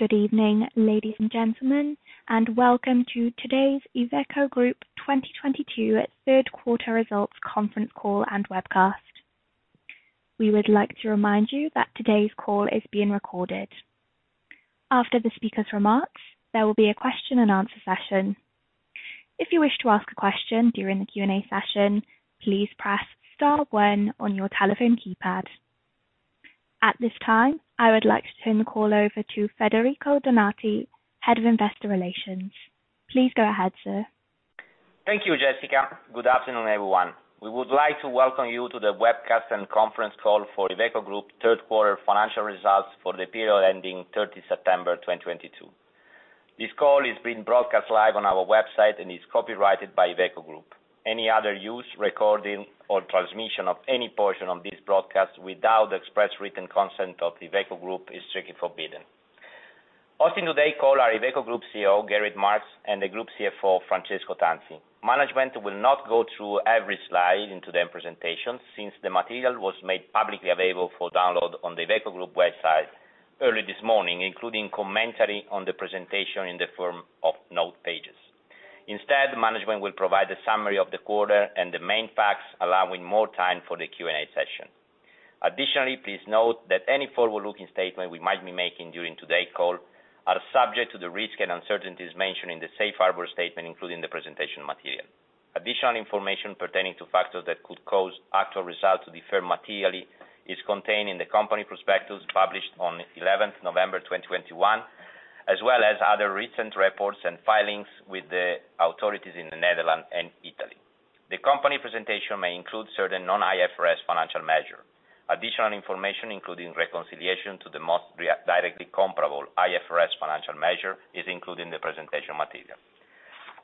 Good evening, ladies and gentlemen, and Welcome to Today's Iveco Group 2022 Third Quarter Results Conference Call and Webcast. We would like to remind you that today's call is being recorded. After the speaker's remarks, there will be a question and answer session. If you wish to ask a question during the Q&A session, please press star one on your telephone keypad. At this time, I would like to turn the call over to Federico Donati, Head of Investor Relations. Please go ahead, sir. Thank you, Jessica. Good afternoon, everyone. We would like to welcome you to the webcast and conference call for Iveco Group third quarter financial results for the period ending 30 September 2022. This call is being broadcast live on our website and is copyrighted by Iveco Group. Any other use, recording, or transmission of any portion of this broadcast without the express written consent of the Iveco Group is strictly forbidden. Hosting today's call are Iveco Group CEO, Gerrit Marx, and the Group CFO, Francesco Tanzi. Management will not go through every slide in their presentation since the material was made publicly available for download on the Iveco Group website early this morning, including commentary on the presentation in the form of note pages. Instead, management will provide a summary of the quarter and the main facts, allowing more time for the Q&A session. Additionally, please note that any forward-looking statement we might be making during today's call are subject to the risk and uncertainties mentioned in the safe harbor statement, including the presentation material. Additional information pertaining to factors that could cause actual results to differ materially is contained in the company prospectus published on 11 November 2021, as well as other recent reports and filings with the authorities in the Netherlands and Italy. The company presentation may include certain non-IFRS financial measure. Additional information, including reconciliation to the most directly comparable IFRS financial measure, is included in the presentation material.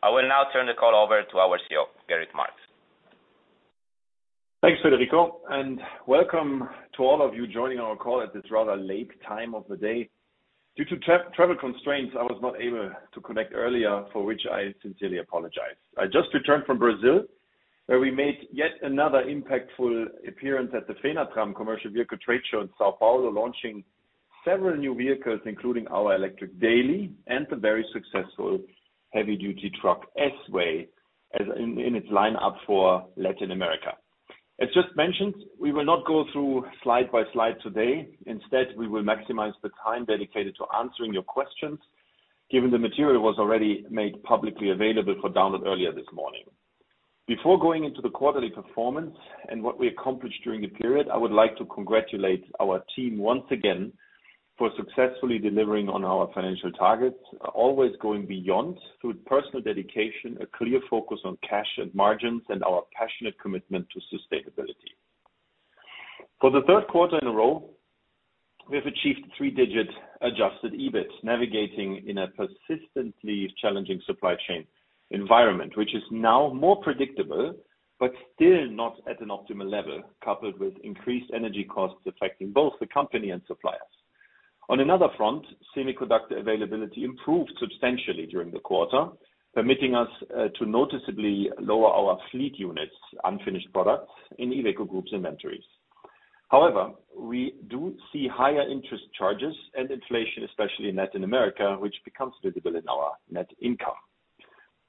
I will now turn the call over to our CEO, Gerrit Marx. Thanks, Federico, and welcome to all of you joining our call at this rather late time of the day. Due to travel constraints, I was not able to connect earlier, for which I sincerely apologize. I just returned from Brazil, where we made yet another impactful appearance at the Fenatran commercial vehicle trade show in São Paulo, launching several new vehicles, including our electric daily and the very successful heavy-duty truck S-Way as in its lineup for Latin America. As just mentioned, we will not go through slide by slide today. Instead, we will maximize the time dedicated to answering your questions, given the material was already made publicly available for download earlier this morning. Before going into the quarterly performance and what we accomplished during the period, I would like to congratulate our team once again for successfully delivering on our financial targets, always going beyond through personal dedication, a clear focus on cash and margins, and our passionate commitment to sustainability. For the third quarter in a row, we have achieved three-digit adjusted EBITs, navigating in a persistently challenging supply chain environment, which is now more predictable, but still not at an optimal level, coupled with increased energy costs affecting both the company and suppliers. On another front, semiconductor availability improved substantially during the quarter, permitting us to noticeably lower our fleet units, unfinished products in Iveco Group's inventories. However, we do see higher interest charges and inflation, especially in Latin America, which becomes visible in our net income.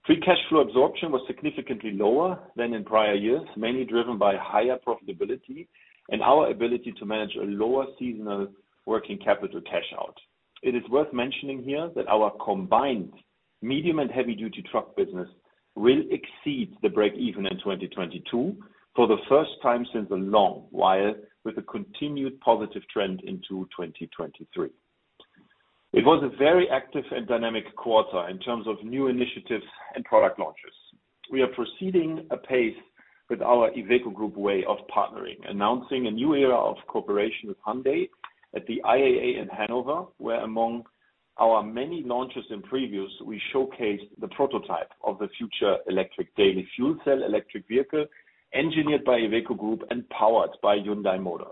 Free cash flow absorption was significantly lower than in prior years, mainly driven by higher profitability and our ability to manage a lower seasonal working capital cash out. It is worth mentioning here that our combined medium- and heavy-duty truck business will exceed the breakeven in 2022 for the first time since a long while, with a continued positive trend into 2023. It was a very active and dynamic quarter in terms of new initiatives and product launches. We are proceeding apace with our Iveco Group way of partnering, announcing a new era of cooperation with Hyundai at the IAA in Hannover, where among our many launches and previews, we showcased the eDAILY Fuel Cell Electric vehicle engineered by Iveco group and powered by Hyundai Motor.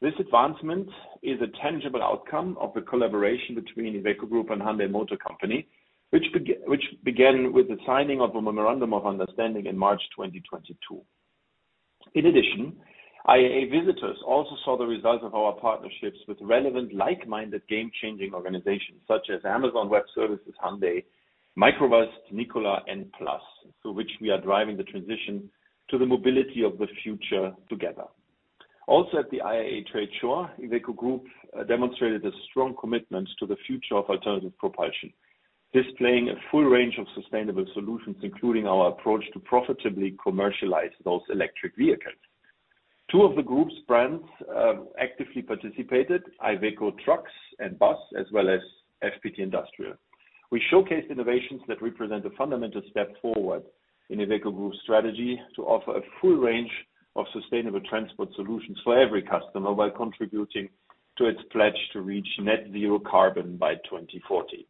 This advancement is a tangible outcome of the collaboration between Iveco Group and Hyundai Motor Company, which began with the signing of a memorandum of understanding in March 2022. In addition, IAA visitors also saw the results of our partnerships with relevant like-minded game-changing organizations such as Amazon Web Services, Hyundai, Microvast, Nikola and Plus, through which we are driving the transition to the mobility of the future together. Also at the IAA trade show, Iveco Group demonstrated a strong commitment to the future of alternative propulsion, displaying a full range of sustainable solutions, including our approach to profitably commercialize those electric vehicles. Two of the Group's brands actively participated, IVECO trucks and IVECO BUS, as well as FPT Industrial. We showcased innovations that represent a fundamental step forward in Iveco Group's strategy to offer a full range of sustainable transport solutions for every customer while contributing to its pledge to reach Net-Zero Carbon by 2040.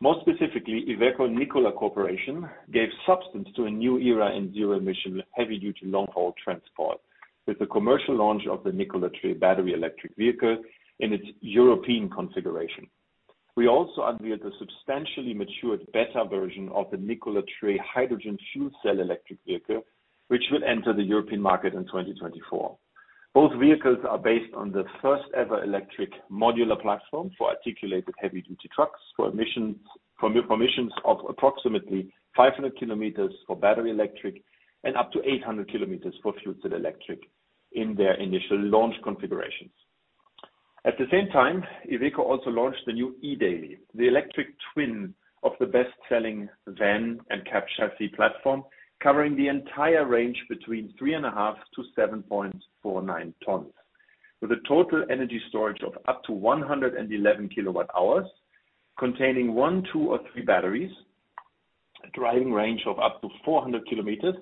More specifically, Iveco and Nikola Corporation gave substance to a new era in zero emission heavy-duty long-haul transport with the commercial launch of the Nikola Tre Battery Electric Vehicle in its European configuration. We also unveiled a substantially matured better version of the Nikola Fuel Cell Electric vehicle, which will enter the European market in 2024. Both vehicles are based on the first-ever electric modular platform for articulated heavy-duty trucks with ranges of approximately 500 km for Battery Electric and up to 800 km for Fuel Cell Electric in their initial launch configurations. At the same time, Iveco also launched the new eDAILY, the electric twin of the best-selling van and cab chassis platform, covering the entire range between 3.5-7.49 tons, with a total energy storage of up to 111 kWh, containing one, two, or three batteries, a driving range of up to 400 km,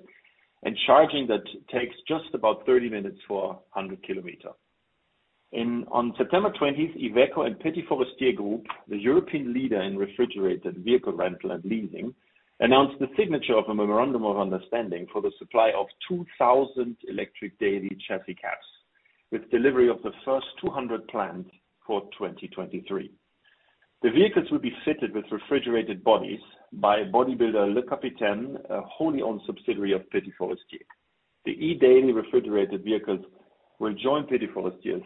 and charging that takes just about 30 minutes for a 100 km. On September 20th, IVECO and Petit Forestier Group, the European leader in refrigerated vehicle rental and leasing, announced the signature of a memorandum of understanding for the supply of 2,000 electric eDAILY chassis cabs, with delivery of the first 200 planned for 2023. The vehicles will be fitted with refrigerated bodies by body builder Lecapitaine, a wholly owned subsidiary of Petit Forestier. The eDAILY refrigerated vehicles will join Petit Forestier's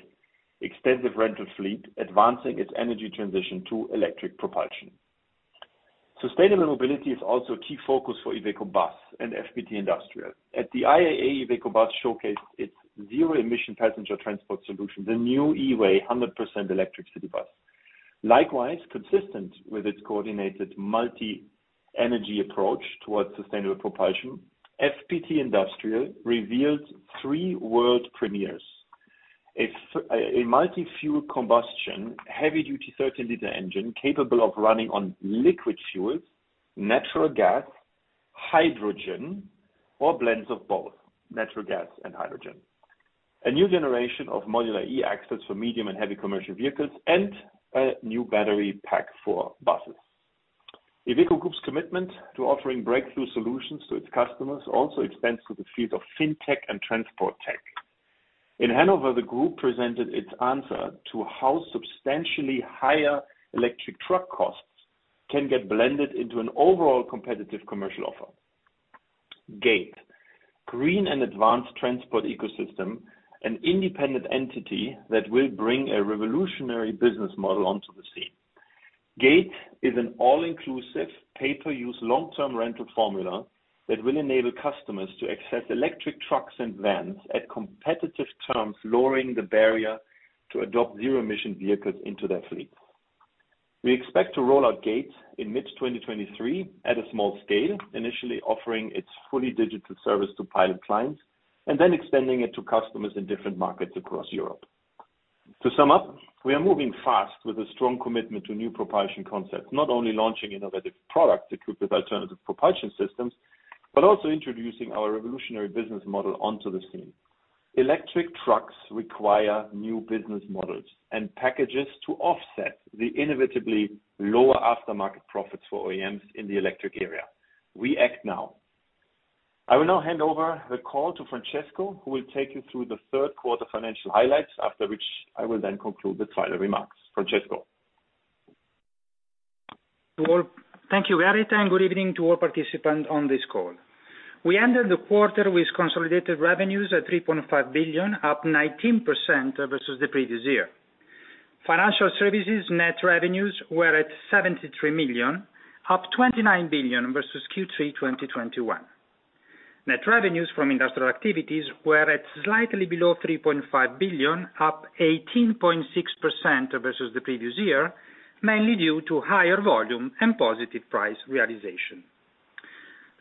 extensive rental fleet, advancing its energy transition to electric propulsion. Sustainable mobility is also a key focus for IVECO BUS and FPT Industrial. At the IAA, IVECO BUS showcased its zero-emission passenger transport solution, the new E-WAY 100% electric city bus. Likewise, consistent with its coordinated multi-energy approach towards sustainable propulsion, FPT Industrial revealed three world premieres. A multi-fuel combustion heavy-duty 13-liter engine capable of running on liquid fuels, natural gas, hydrogen, or blends of both natural gas and hydrogen. A new generation of modular e-axles for medium and heavy commercial vehicles and a new battery pack for buses. Iveco Group's commitment to offering breakthrough solutions to its customers also extends to the field of fintech and transport tech. In Hannover, the group presented its answer to how substantially higher electric truck costs can get blended into an overall competitive commercial offer. GATE, Green and Advanced Transport Ecosystem, an independent entity that will bring a revolutionary business model onto the scene. GATE is an all-inclusive pay-per-use long-term rental formula that will enable customers to access electric trucks and vans at competitive terms, lowering the barrier to adopt zero-emission vehicles into their fleet. We expect to roll out GATE in mid-2023 at a small scale, initially offering its fully digital service to pilot clients, and then extending it to customers in different markets across Europe. To sum up, we are moving fast with a strong commitment to new propulsion concepts, not only launching innovative products equipped with alternative propulsion systems, but also introducing our revolutionary business model onto the scene. Electric trucks require new business models and packages to offset the inevitably lower aftermarket profits for OEMs in the electric era. We act now. I will now hand over the call to Francesco, who will take you through the third quarter financial highlights, after which I will then conclude with final remarks. Francesco. Thank you, Gerrit, and good evening to all participants on this call. We ended the quarter with consolidated revenues at 3.5 billion, up 19% vs the previous year. Financial services net revenues were at 73 million, up 29 million vs Q3 2021. Net revenues from industrial activities were at slightly below 3.5 billion, up 18.6% vs the previous year, mainly due to higher volume and positive price realization.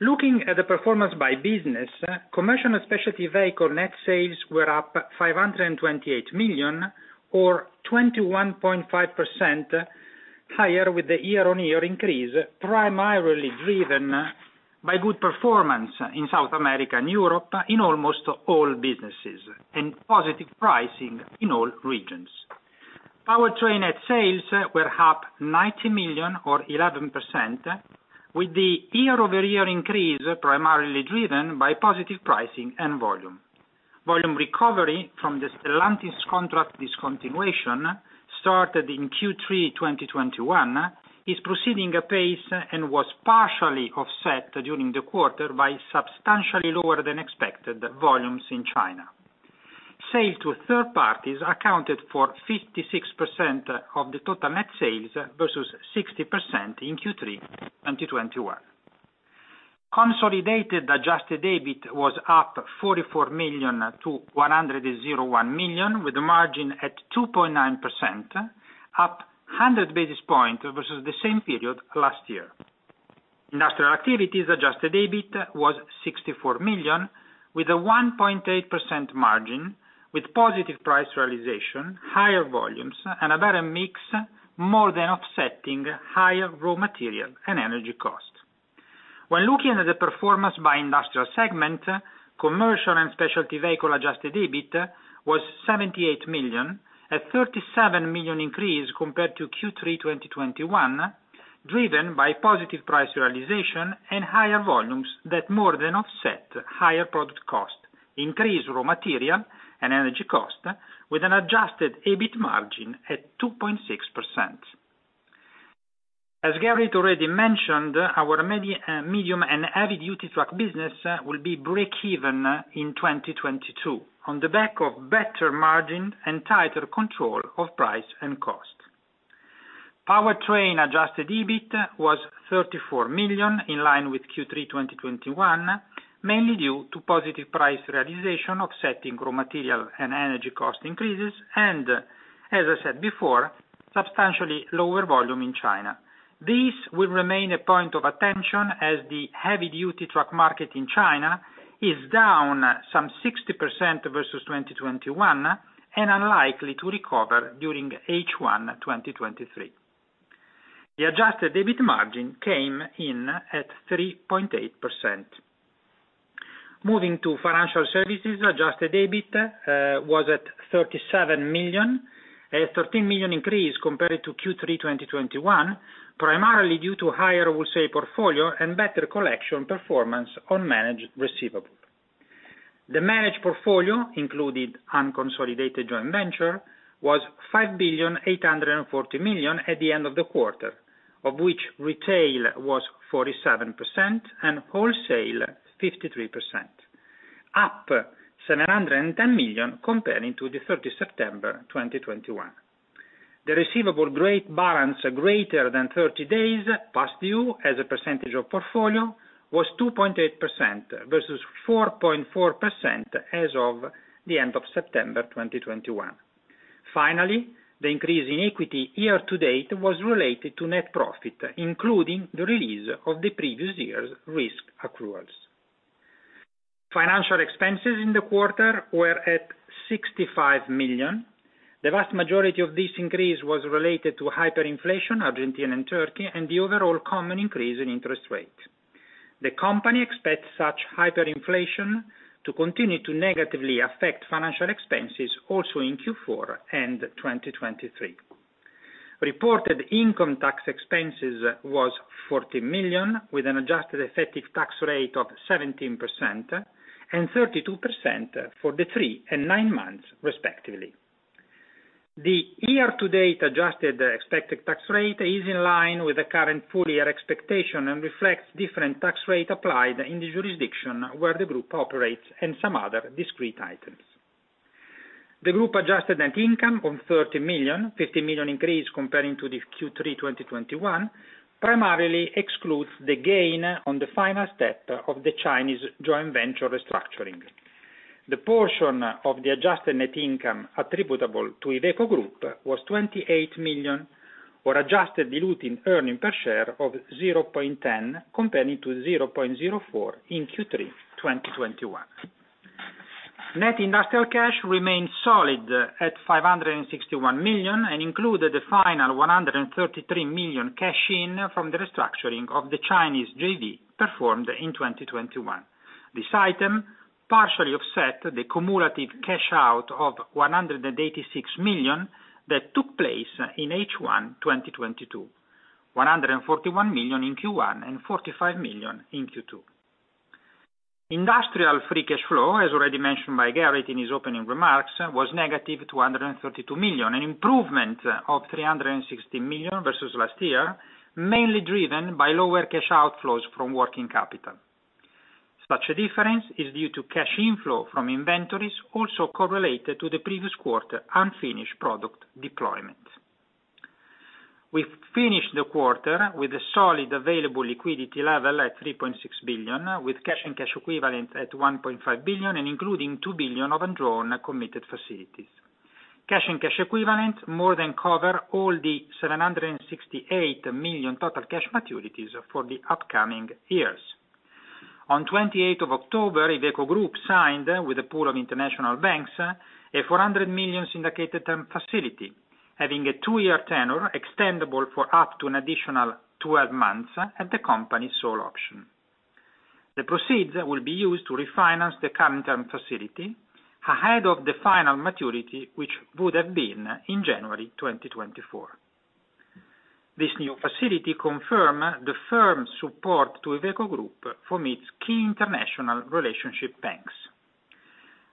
Looking at the performance by business, Commercial specialty vehicle net sales were up 528 million or 21.5% higher with the year-on-year increase, primarily driven by good performance in South America and Europe in almost all businesses and positive pricing in all regions. Powertrain net sales were up 90 million or 11%, with the year-over-year increase primarily driven by positive pricing and volume. Volume recovery from the Stellantis contract discontinuation started in Q3 2021 is proceeding apace and was partially offset during the quarter by substantially lower than expected volumes in China. Sales to third parties accounted for 56% of the total net sales vs 60% in Q3 2021. Consolidated adjusted EBIT was up 44 million-101 million, with the margin at 2.9%, up 100 basis points vs the same period last year. Industrial activities adjusted EBIT was 64 million, with a 1.8% margin, with positive price realization, higher volumes, and a better mix more than offsetting higher raw material and energy costs. When looking at the performance by Industrial segment, Commercial and Specialty vehicle adjusted EBIT was 78 million, a 37 million increase compared to Q3 2021. Driven by positive price realization and higher volumes that more than offset higher product cost, increased raw material and energy cost with an adjusted EBIT margin at 2.6%. As Gerrit already mentioned, our medium and heavy-duty truck business will be breakeven in 2022 on the back of better margin and tighter control of price and cost. Powertrain adjusted EBIT was 34 million, in line with Q3 2021, mainly due to positive price realization offsetting raw material and energy cost increases and, as I said before, substantially lower volume in China. This will remain a point of attention as the heavy-duty truck market in China is down some 60% vs 2021 and unlikely to recover during H1 2023. The adjusted EBIT margin came in at 3.8%. Moving to financial services, adjusted EBIT was at 37 million, a 13 million increase compared to Q3 2021, primarily due to higher wholesale portfolio and better collection performance on managed receivable. The managed portfolio included unconsolidated joint venture was 5.84 billion at the end of the quarter, of which retail was 47% and wholesale 53%, up 710 million comparing to 30 September 2021. The receivables gross balance greater than 30 days past due as a % of portfolio was 2.8% vs 4.4% as of the end of September 2021. Finally, the increase in equity year to date was related to net profit, including the release of the previous year's risk accruals. Financial expenses in the quarter were 65 million. The vast majority of this increase was related to hyperinflation in Argentina and Turkey, and the overall concomitant increase in interest rates. The company expects such hyperinflation to continue to negatively affect financial expenses also in Q4 and 2023. Reported income tax expenses was 40 million, with an adjusted effective tax rate of 17% and 32% for the three and nine months respectively. The year-to-date adjusted expected tax rate is in line with the current full-year expectation and reflects different tax rates applied in the jurisdictions where the group operates and some other discrete items. The group adjusted net income of 30 million, 50 million increase compared to Q3 2021, primarily excludes the gain on the final step of the Chinese joint venture restructuring. The portion of the adjusted net income attributable to Iveco Group was 28 million or adjusted diluted earnings per share of 0.10 compared to 0.04 in Q3 2021. Net industrial cash remained solid at 561 million and included the final 133 million cash-in from the restructuring of the Chinese JV performed in 2021. This item partially offset the cumulative cash out of 186 million that took place in H1 2022. 141 million in Q1 and 45 million in Q2. Industrial free cash flow, as already mentioned by Gerrit in his opening remarks, was negative 232 million, an improvement of 360 million vs last year, mainly driven by lower cash outflows from working capital. Such a difference is due to cash inflow from inventories also correlated to the previous quarter unfinished product deployment. We've finished the quarter with a solid available liquidity level at 3.6 billion, with cash and cash equivalents at 1.5 billion and including 2 billion of undrawn committed facilities. Cash and cash equivalents more than cover all the 768 million total cash maturities for the upcoming years. On October 28, Iveco Group signed with a pool of international banks a 400 million syndicated term facility, having a two-year tenure extendable for up to an additional 12 months at the company's sole option. The proceeds will be used to refinance the current term facility ahead of the final maturity, which would have been in January 2024. This new facility confirm the firm support to Iveco Group from its key international relationship banks.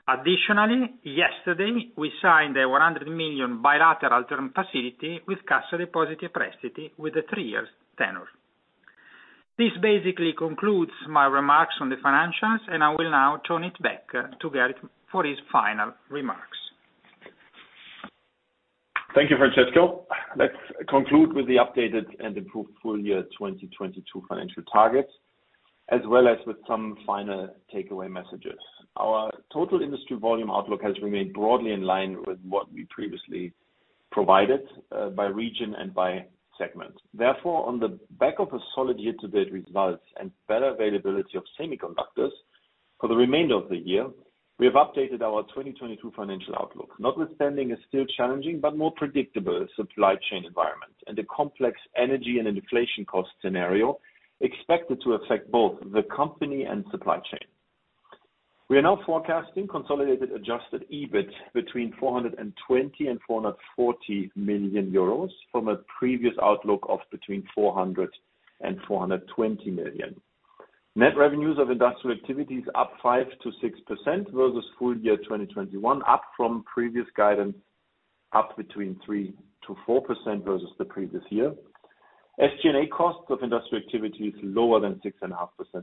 Additionally, yesterday, we signed a 100 million bilateral term facility with Cassa Depositi e Prestiti with a three-year tenure. This basically concludes my remarks on the financials, and I will now turn it back to Gerrit for his final remarks. Thank you, Francesco. Let's conclude with the updated and improved full year 2022 financial targets, as well as with some final takeaway messages. Our total industry volume outlook has remained broadly in line with what we previously provided, by region and by segment. Therefore, on the back of a solid year-to-date results and better availability of semiconductors for the remainder of the year, we have updated our 2022 financial outlook, notwithstanding a still challenging but more predictable supply chain environment and a complex energy and inflation cost scenario expected to affect both the company and supply chain. We are now forecasting consolidated adjusted EBIT between 420 million euros and 440 million euros from a previous outlook of between 400 million and 420 million. Net revenues of Industrial activities up 5%-6% vs full year 2021, up from previous guidance, up between 3%-4% vs the previous year. SG&A costs of industrial activities lower than 6.5%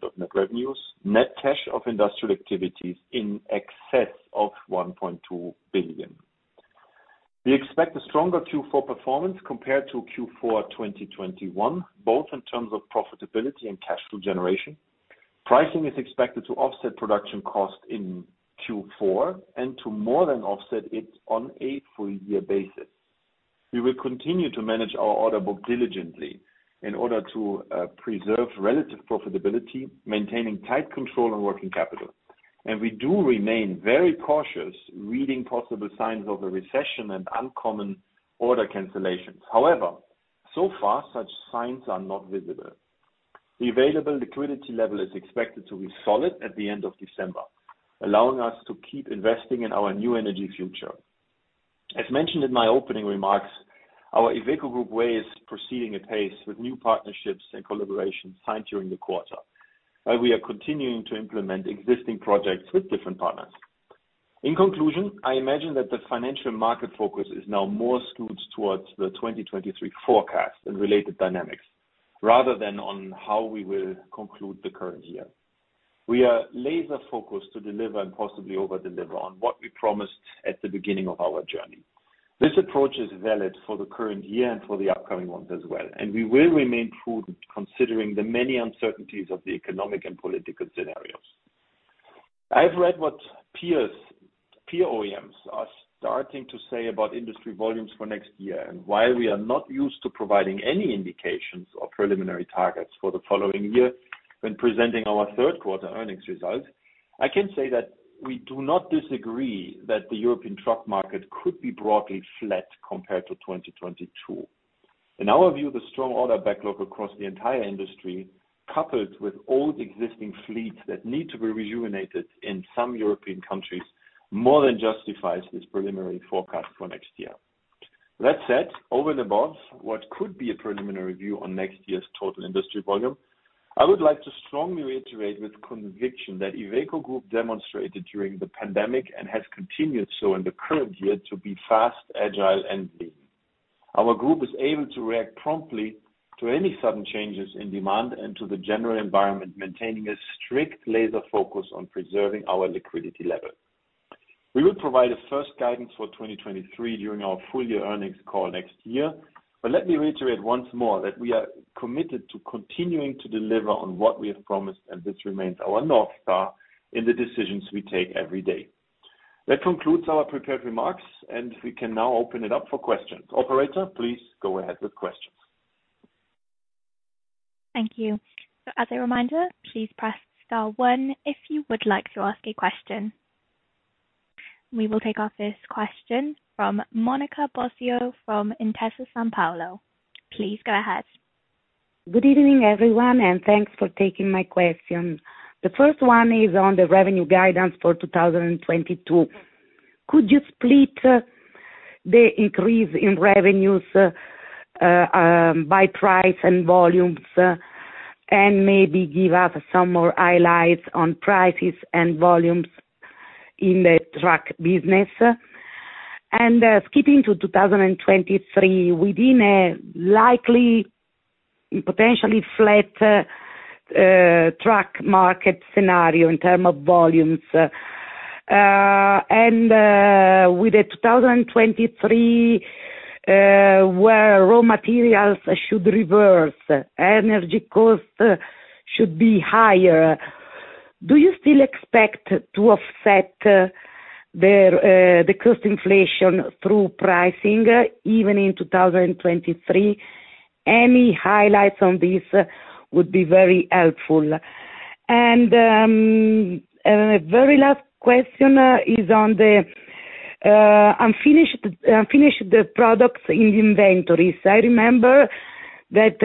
of net revenues. Net cash of industrial activities in excess of 1.2 billion. We expect a stronger Q4 performance compared to Q4 2021, both in terms of profitability and cash flow generation. Pricing is expected to offset production costs in Q4 and to more than offset it on a full year basis. We will continue to manage our order book diligently in order to preserve relative profitability, maintaining tight control on working capital. We do remain very cautious reading possible signs of a recession and uncommon order cancellations. However, so far, such signs are not visible. The available liquidity level is expected to be solid at the end of December, allowing us to keep investing in our new energy future. As mentioned in my opening remarks, our Iveco Group way is proceeding apace with new partnerships and collaborations signed during the quarter, and we are continuing to implement existing projects with different partners. In conclusion, I imagine that the financial market focus is now more skewed towards the 2023 forecast and related dynamics, rather than on how we will conclude the current year. We are laser focused to deliver and possibly over-deliver on what we promised at the beginning of our journey. This approach is valid for the current year and for the upcoming ones as well, and we will remain prudent considering the many uncertainties of the economic and political scenarios. I have read what peer OEMs are starting to say about industry volumes for next year. While we are not used to providing any indications or preliminary targets for the following year when presenting our third quarter earnings results, I can say that we do not disagree that the European truck market could be broadly flat compared to 2022. In our view, the strong order backlog across the entire industry, coupled with old existing fleets that need to be rejuvenated in some European countries, more than justifies this preliminary forecast for next year. That said, over and above what could be a preliminary view on next year's total industry volume, I would like to strongly reiterate with conviction that Iveco Group demonstrated during the pandemic and has continued so in the current year to be fast, agile and lean. Our group is able to react promptly to any sudden changes in demand and to the general environment, maintaining a strict laser focus on preserving our liquidity level. We will provide a first guidance for 2023 during our full year earnings call next year. Let me reiterate once more that we are committed to continuing to deliver on what we have promised, and this remains our North Star in the decisions we take every day. That concludes our prepared remarks, and we can now open it up for questions. Operator, please go ahead with questions. Thank you. As a reminder, please press star one if you would like to ask a question. We will take our first question from Monica Bosio from Intesa Sanpaolo. Please go ahead. Good evening, everyone, and thanks for taking my question. The first one is on the revenue guidance for 2022. Could you split the increase in revenues by price and volumes, and maybe give us some more highlights on prices and volumes in the truck business? Skipping to 2023, within a likely potentially flat truck market scenario in terms of volumes, with a 2023 where raw materials should reverse, energy costs should be higher. Do you still expect to offset the cost inflation through pricing even in 2023? Any highlights on this would be very helpful. The very last question is on the unfinished products in inventories. I remember that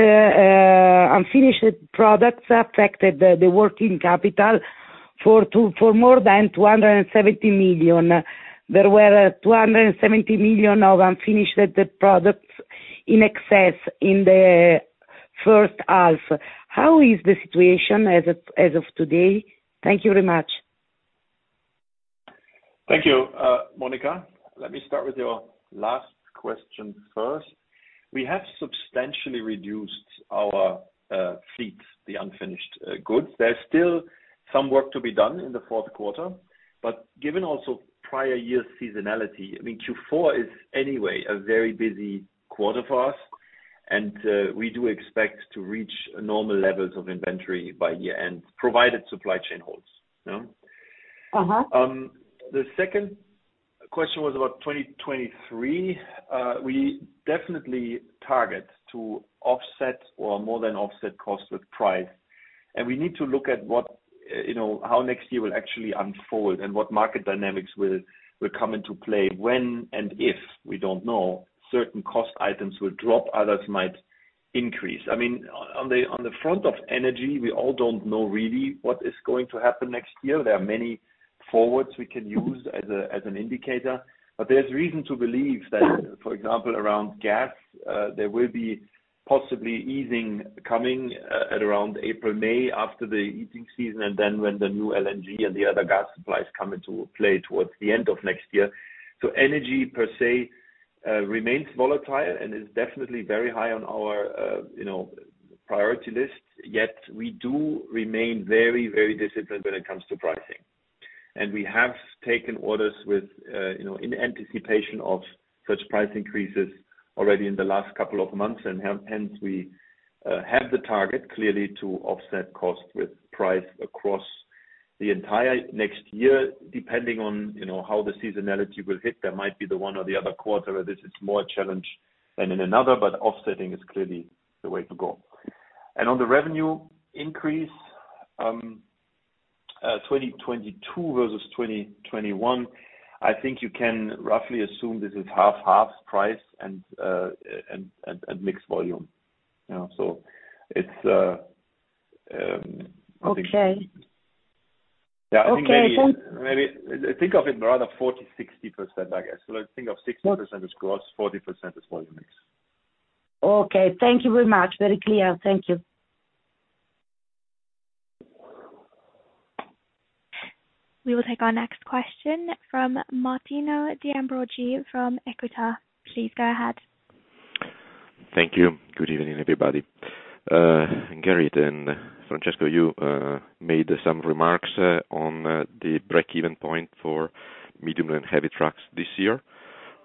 unfinished products affected the working capital for more than 270 million. There were 270 million of unfinished products in excess in the first half. How is the situation as of today? Thank you very much. Thank you, Monica. Let me start with your last question first. We have substantially reduced our fleet, the unfinished goods. There's still some work to be done in the fourth quarter. Given also prior year seasonality, I mean, Q4 is anyway a very busy quarter for us, and we do expect to reach normal levels of inventory by year-end, provided supply chain holds. No? Uh-huh. The second question was about 2023. We definitely target to offset or more than offset costs with price. We need to look at what, you know, how next year will actually unfold and what market dynamics will come into play when and if, we don't know, certain cost items will drop, others might increase. I mean, on the front of energy, we all don't know really what is going to happen next year. There are many forwards we can use as an indicator. There's reason to believe that, for example, around gas, there will be possibly easing coming at around April, May after the heating season and then when the new LNG and the other gas supplies come into play towards the end of next year. Energy per se remains volatile and is definitely very high on our, you know, priority list. Yet we do remain very, very disciplined when it comes to pricing. We have taken orders with, you know, in anticipation of such price increases already in the last couple of months. Hence we have the target clearly to offset cost with price across the entire next year, depending on, you know, how the seasonality will hit. That might be the one or the other quarter; this is more a challenge than in another, but offsetting is clearly the way to go. On the revenue increase, 2022 vs 2021, I think you can roughly assume this is half price and mixed volume. It's Okay. Yeah. Okay. Maybe think of it rather 40%/60%, I guess. Let's think of 60% as gross, 40% as volume mix. Okay. Thank you very much. Very clear. Thank you. We will take our next question from Martino De Ambroggi from Equita. Please go ahead. Thank you. Good evening, everybody. Gerrit and Francesco, you made some remarks on the break-even point for medium and heavy trucks this year.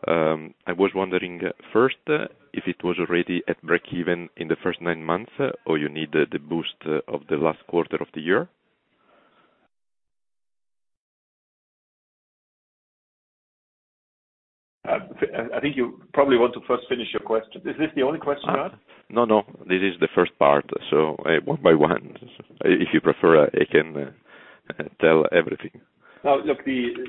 I was wondering, first, if it was already at breakeven in the first nine months, or you need the boost of the last quarter of the year? I think you probably want to first finish your question. Is this the only question you had? No, no. This is the first part, so one by one, if you prefer, I can tell everything.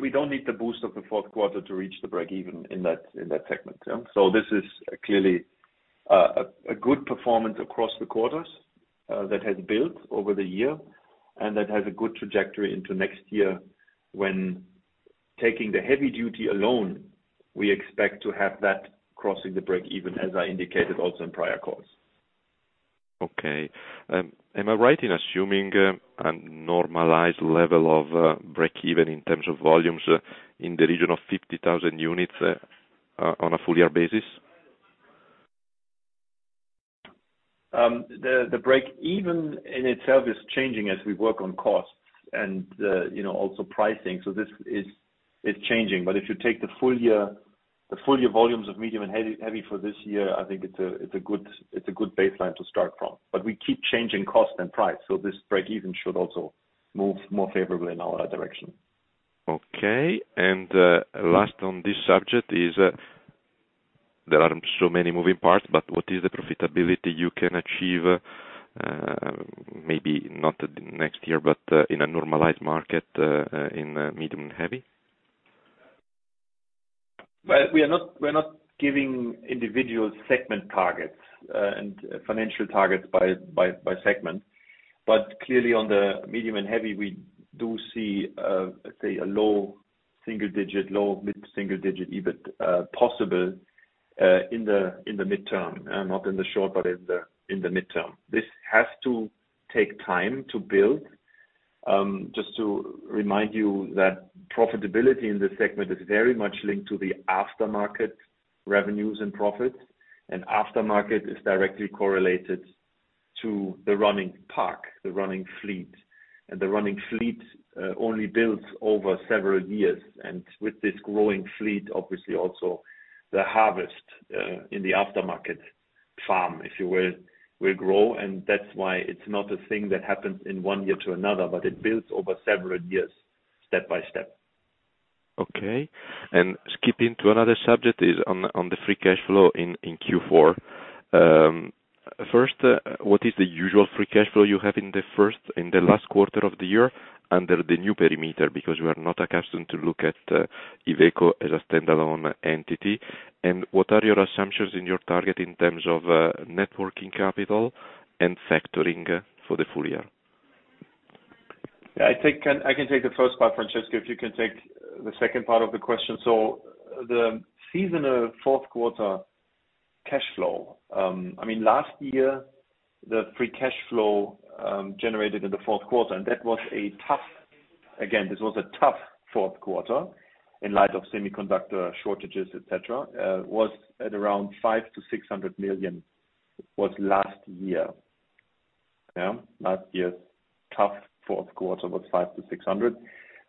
We don't need the boost of the fourth quarter to reach the breakeven in that segment. This is clearly a good performance across the quarters that has built over the year, and that has a good trajectory into next year when taking the heavy duty alone. We expect to have that crossing the breakeven, as I indicated also in prior calls. Am I right in assuming a normalized level of break even in terms of volumes in the region of 50,000 units on a full year basis? The break even in itself is changing as we work on costs and, you know, also pricing. It's changing. If you take the full year volumes of medium and heavy for this year, I think it's a good baseline to start from. We keep changing cost and price, so this break even should also move more favorably in our direction. Okay. Last on this subject is there aren't so many moving parts, but what is the profitability you can achieve, maybe not next year, but in a normalized market in medium and heavy? Well, we're not giving individual segment targets, and financial targets by segment. Clearly on the medium and heavy, we do see, let's say a low single digit, low mid-single digit, EBIT possible, in the midterm, not in the short, but in the midterm. This has to take time to build. Just to remind you that profitability in this segment is very much linked to the aftermarket revenues and profits. Aftermarket is directly correlated to the running park, the running fleet. The running fleet only builds over several years. With this growing fleet, obviously also the harvest, in the aftermarket farm, if you will grow. That's why it's not a thing that happens in one year to another, but it builds over several years step by step. Okay. Skipping to another subject on the free cash flow in Q4. First, what is the usual free cash flow you have in the last quarter of the year under the new perimeter? Because we are not accustomed to look at Iveco as a standalone entity. What are your assumptions in your target in terms of net working capital and factoring for the full year? I think I can take the first part, Francesco, if you can take the second part of the question. The seasonal fourth quarter cash flow, I mean, last year, the free cash flow generated in the fourth quarter. Again, this was a tough fourth quarter in light of semiconductor shortages, et cetera, was at around 500-EUR600 million last year. Yeah. Last year, tough fourth quarter was 500-600 million.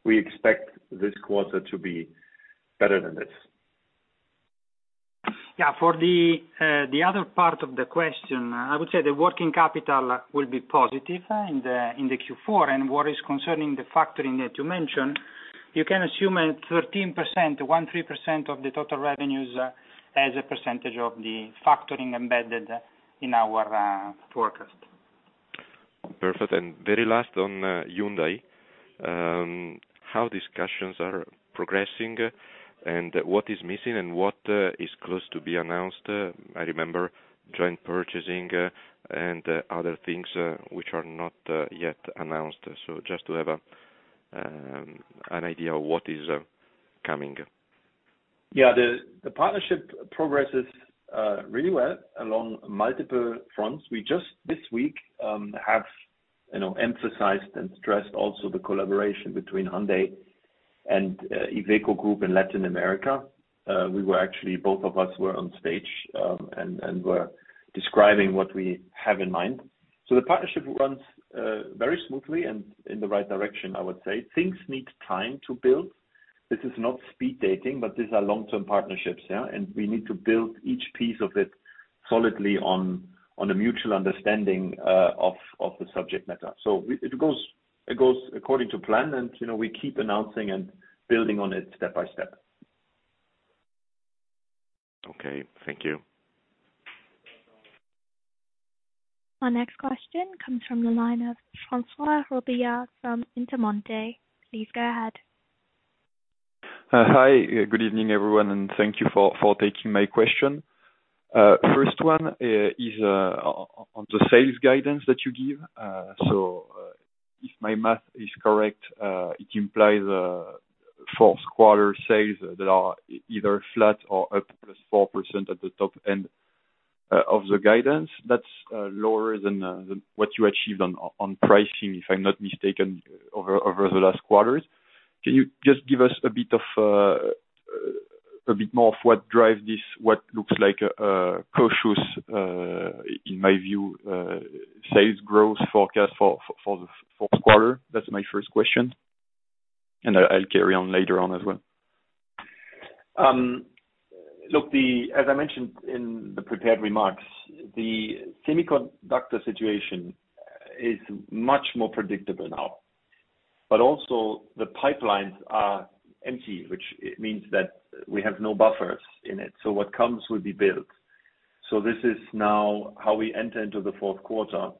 We expect this quarter to be better than this. Yeah. For the other part of the question, I would say the working capital will be positive in the Q4. What is concerning the factoring that you mentioned, you can assume at 13%, 13% of the total revenues as a % of the factoring embedded in our forecast. Perfect. Very last on Hyundai, how discussions are progressing and what is missing and what is close to be announced? I remember joint purchasing and other things which are not yet announced. Just to have an idea of what is coming. Yeah, the partnership progresses really well along multiple fronts. We just this week have you know emphasized and stressed also the collaboration between Hyundai and Iveco Group in Latin America. We were actually both of us were on stage and were describing what we have in mind. The partnership runs very smoothly and in the right direction, I would say. Things need time to build. This is not speed dating, but these are long-term partnerships, yeah? We need to build each piece of it solidly on a mutual understanding of the subject matter. It goes according to plan, and you know we keep announcing and building on it step by step. Okay, thank you. Our next question comes from the line of Francois Robillard from Intermonte. Please go ahead. Hi. Good evening, everyone, and thank you for taking my question. First one is on the sales guidance that you give. If my math is correct, it implies fourth quarter sales that are either flat or up just 4% at the top end of the guidance. That's lower than what you achieved on pricing, if I'm not mistaken, over the last quarters. Can you just give us a bit of a bit more of what drives this, what looks like a cautious, in my view, sales growth forecast for the fourth quarter? That's my first question. I'll carry on later on as well. As I mentioned in the prepared remarks, the semiconductor situation is much more predictable now. Also the pipelines are empty, which means that we have no buffers in it. What comes will be built. This is now how we enter into the fourth quarter,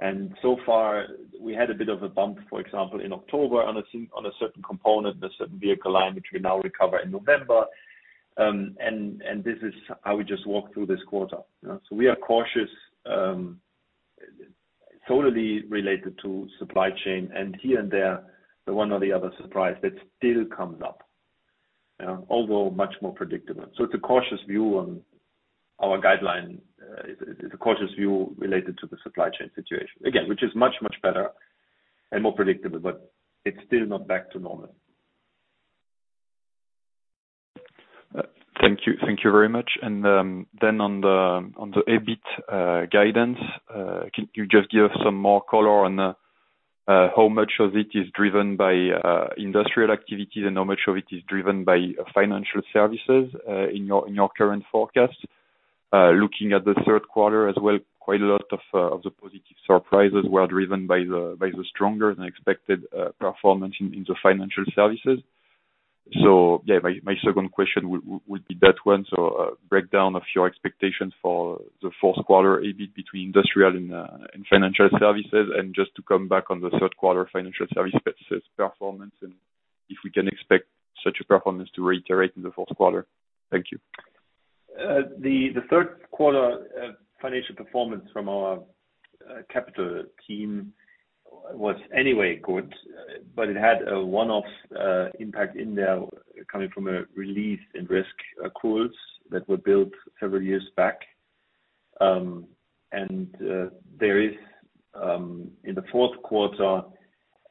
and so far we had a bit of a bump, for example, in October on a certain component, a certain vehicle line which we now recover in November. This is how we just walk through this quarter. We are cautious, totally related to supply chain and here and there, the one or the other surprise that still comes up. Although much more predictable. It's a cautious view on our guideline, it's a cautious view related to the supply chain situation. Again, which is much, much better and more predictable, but it's still not back to normal. Thank you. Thank you very much. Then on the EBIT guidance, can you just give some more color on how much of it is driven by Industrial activities and how much of it is driven by financial services in your current forecast? Looking at the third quarter as well, quite a lot of the positive surprises were driven by the stronger than expected performance in the financial services. Yeah, my second question would be that one. A breakdown of your expectations for the fourth quarter EBIT between industrial and financial services, and just to come back on the third quarter financial services performance and if we can expect such a performance to reiterate in the fourth quarter. Thank you. The third quarter financial performance from our captive team was anyway good, but it had a one-off impact in there coming from a release in risk accruals that were built several years back. There is in the fourth quarter,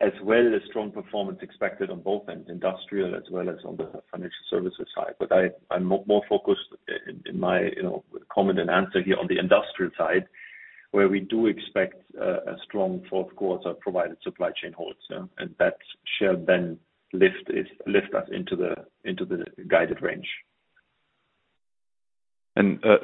as well a strong performance expected on both ends, industrial as well as on the financial services side. I'm more focused in my, you know, comment and answer here on the industrial side, where we do expect a strong fourth quarter, provided supply chain holds. That shall then lift us into the guided range.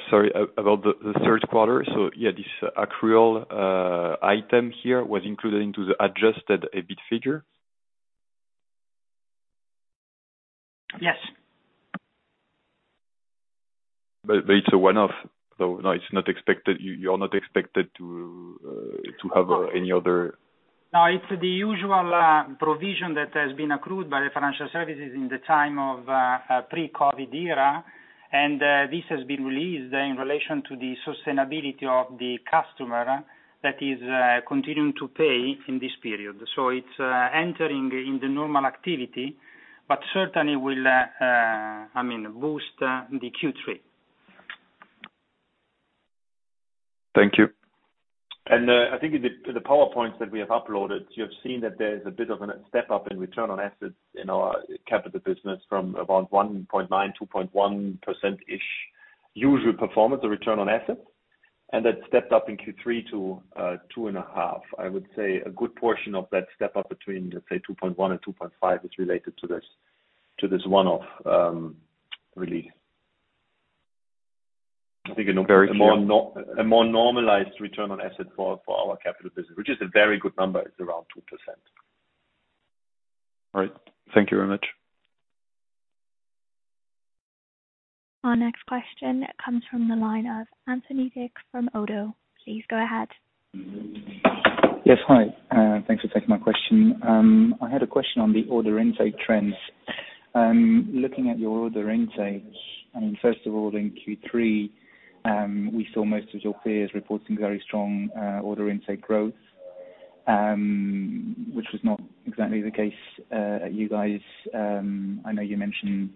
Sorry, about the third quarter. Yeah, this accrual item here was included into the adjusted EBIT figure? Yes. It's a one-off, though. No, it's not expected. You're not expected to have any other- No, it's the usual provision that has been accrued by the financial services in the time of pre-COVID era. This has been released in relation to the sustainability of the customer that is continuing to pay in this period. It's entering in the normal activity, but certainly will, I mean, boost the Q3. Thank you. I think in the PowerPoints that we have uploaded, you have seen that there is a bit of a step up in return on assets in our capital business from about 1.9%-2.1%-ish usual performance, the return on assets. That stepped up in Q3 to 2.5%. I would say a good portion of that step up between, let's say, 2.1% and 2.5% is related to this one-off, really. I think a more- A more nor- A more normalized return on assets for our captive business, which is a very good number. It's around 2%. All right. Thank you very much. Our next question comes from the line of Anthony Dick from ODDO. Please go ahead. Yes. Hi. Thanks for taking my question. I had a question on the order intake trends. Looking at your order intake, I mean, first of all, in Q3, we saw most of your peers reporting very strong order intake growth. Which was not exactly the case, you guys. I know you mentioned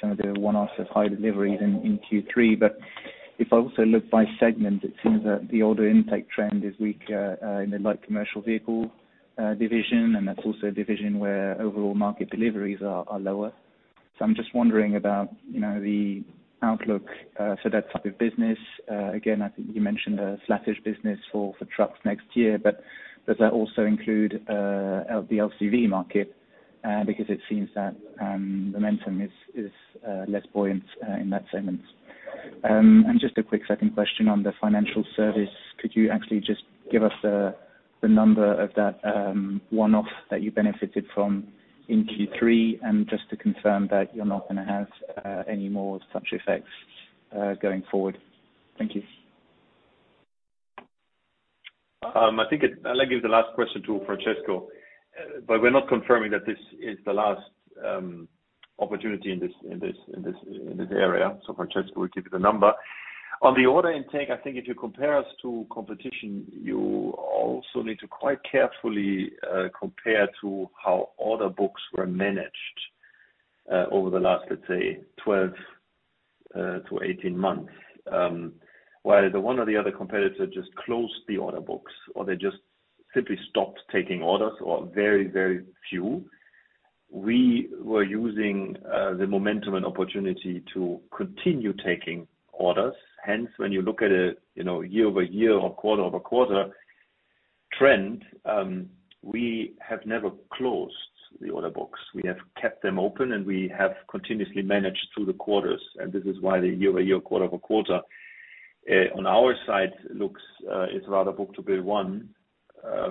some of the one-offs of high deliveries in Q3, but if I also look by segment, it seems that the order intake trend is weak in the Light Commercial Vehicle division, and that's also a division where overall market deliveries are lower. I'm just wondering about, you know, the outlook, so that type of business, again, I think you mentioned a flattish business for trucks next year, but does that also include the LCV market? Because it seems that momentum is less buoyant in that segment. Just a quick second question on the financial service. Could you actually just give us the number of that one-off that you benefited from in Q3? Just to confirm that you're not gonna have any more such effects going forward. Thank you. I think I'd like to give the last question to Francesco, but we're not confirming that this is the last opportunity in this area. Francesco will give you the number. On the order intake, I think if you compare us to competition, you also need to quite carefully compare to how order books were managed over the last, let's say, 12-18 months. While the one or the other competitor just closed the order books, or they just simply stopped taking orders or very few. We were using the momentum and opportunity to continue taking orders. Hence, when you look at it, you know, year-over-year or quarter-over-quarter trend, we have never closed the order books. We have kept them open, and we have continuously managed through the quarters. This is why the year-over-year, quarter-over-quarter, on our side looks, it's rather book-to-bill one,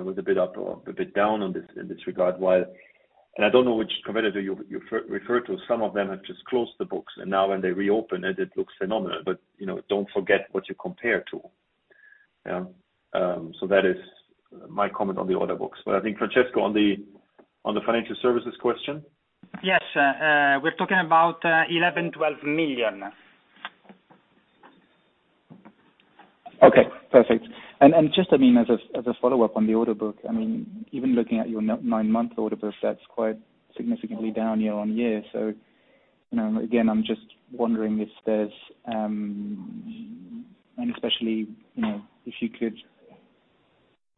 with a bit up or a bit down in this regard. I don't know which competitor you refer to. Some of them have just closed the books, and now when they reopen it looks phenomenal, but, you know, don't forget what you compare to. That is my comment on the order books, but I think Francesco on the financial services question. Yes. We're talking about 11 million-12 million. Okay, perfect. Just, I mean, as a follow-up on the order book, I mean, even looking at your nine-month order book, that's quite significantly down year-over-year. You know, again, I'm just wondering if there's any. Especially, you know, if you could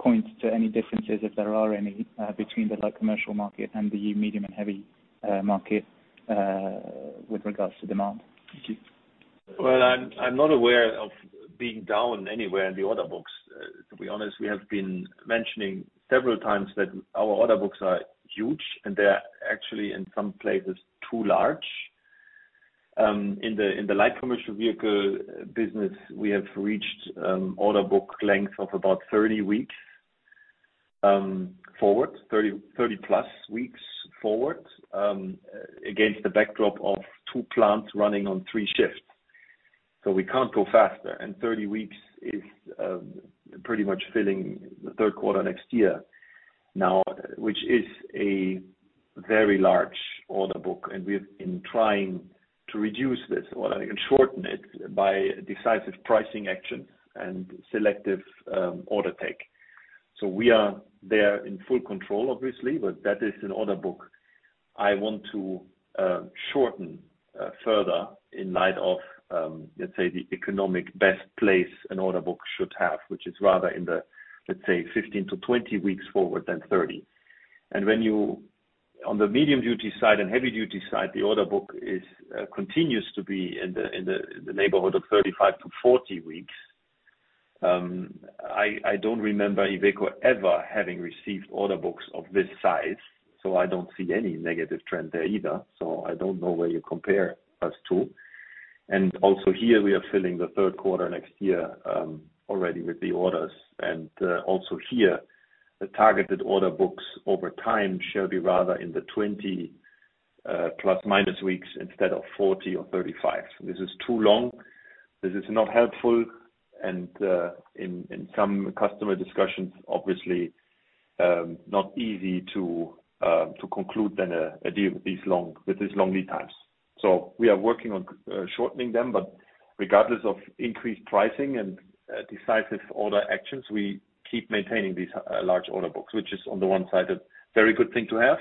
point to any differences, if there are any, between the light commercial market and the medium and heavy market, with regards to demand. Thank you. Well, I'm not aware of being down anywhere in the order books. To be honest, we have been mentioning several times that our order books are huge, and they're actually, in some places, too large. In the Light Commercial Vehicle business, we have reached order book length of about 30 weeks forward. 30+ weeks forward, against the backdrop of two plants running on three shifts. We can't go faster, and 30 weeks is pretty much filling the third quarter next year now, which is a very large order book, and we've been trying to reduce this and shorten it by decisive pricing action and selective order intake. We are there in full control, obviously, but that is an order book I want to shorten further in light of, let's say, the economically best place an order book should have, which is rather in the, let's say, 15-20 weeks forward than 30. On the medium-duty side and heavy-duty side, the order book continues to be in the neighborhood of 35-40 weeks. I don't remember Iveco ever having received order books of this size, so I don't see any negative trend there either. I don't know where you compare us to. We are filling the third quarter next year already with the orders. Also here, the targeted order books over time should be rather in the 20 ± weeks instead of 40 or 35. This is too long. This is not helpful, and in some customer discussions, obviously, not easy to conclude then a deal with these long lead times. We are working on shortening them, but regardless of increased pricing and decisive order actions, we keep maintaining these large order books, which is on the one side a very good thing to have.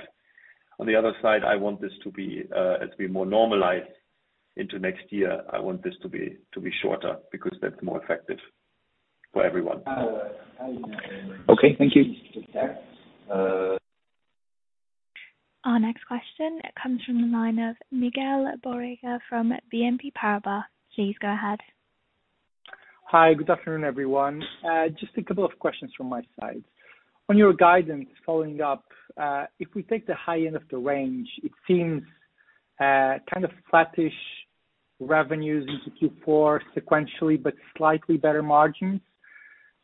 On the other side, I want this to be as we more normalize into next year, I want this to be shorter because that's more effective for everyone. Okay. Thank you. Uh- Our next question comes from the line of Miguel Borrega from BNP Paribas. Please go ahead. Hi. Good afternoon, everyone. Just a couple of questions from my side. On your guidance following up, if we take the high end of the range, it seems kind of flattish revenues into Q4 sequentially, but slightly better margins.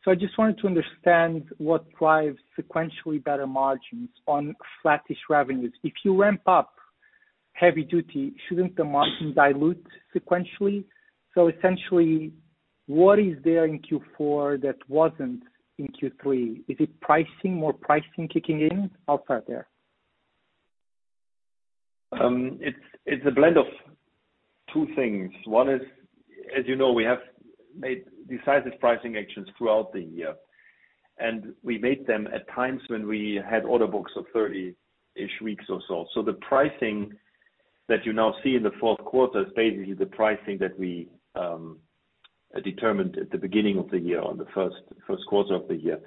I just wanted to understand what drives sequentially better margins on flattish revenues. If you ramp up heavy duty, shouldn't the margin dilute sequentially? Essentially, what is there in Q4 that wasn't in Q3? Is it pricing, more pricing kicking in outside there? It's a blend of two things. One is, as you know, we have made decisive pricing actions throughout the year, and we made them at times when we had order books of 30-ish weeks or so. The pricing that you now see in the fourth quarter is basically the pricing that we determined at the beginning of the year on the first quarter of the year.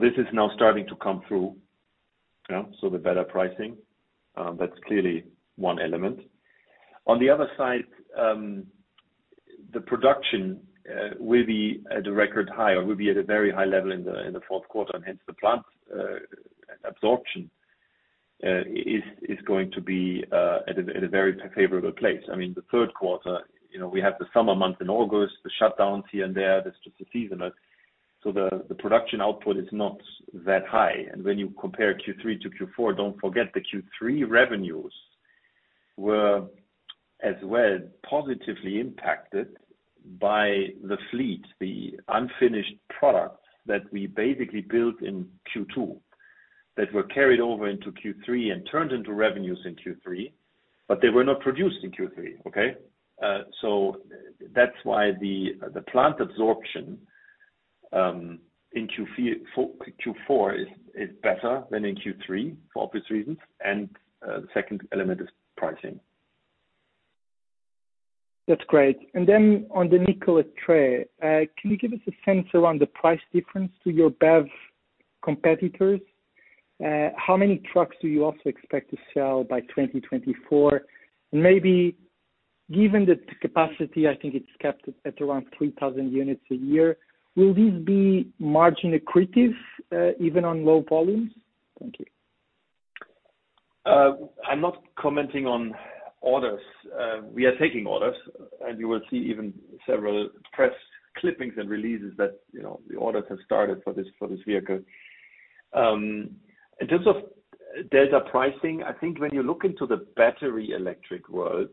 This is now starting to come through. Yeah. The better pricing, that's clearly one element. On the other side, the production will be at a record high or will be at a very high level in the fourth quarter, and hence the plant absorption is going to be at a very favorable place. I mean, the third quarter, you know, we have the summer month in August, the shutdowns here and there, that's just the season. The production output is not that high. When you compare Q3 to Q4, don't forget, the Q3 revenues were as well positively impacted by the fleet, the unfinished products that we basically built in Q2, that were carried over into Q3 and turned into revenues in Q3, but they were not produced in Q3. Okay. That's why the plant absorption in Q4 is better than in Q3 for obvious reasons. The second element is pricing. That's great. Then on the Nikola Tre, can you give us a sense around the price difference to your BEV competitors? How many trucks do you also expect to sell by 2024? Maybe given the capacity, I think it's capped at around 3,000 units a year, will this be margin accretive, even on low volumes? Thank you. I'm not commenting on orders. We are taking orders, and you will see even several press clippings and releases that, you know, the orders have started for this vehicle. In terms of the pricing, I think when you look into the Battery Electric world,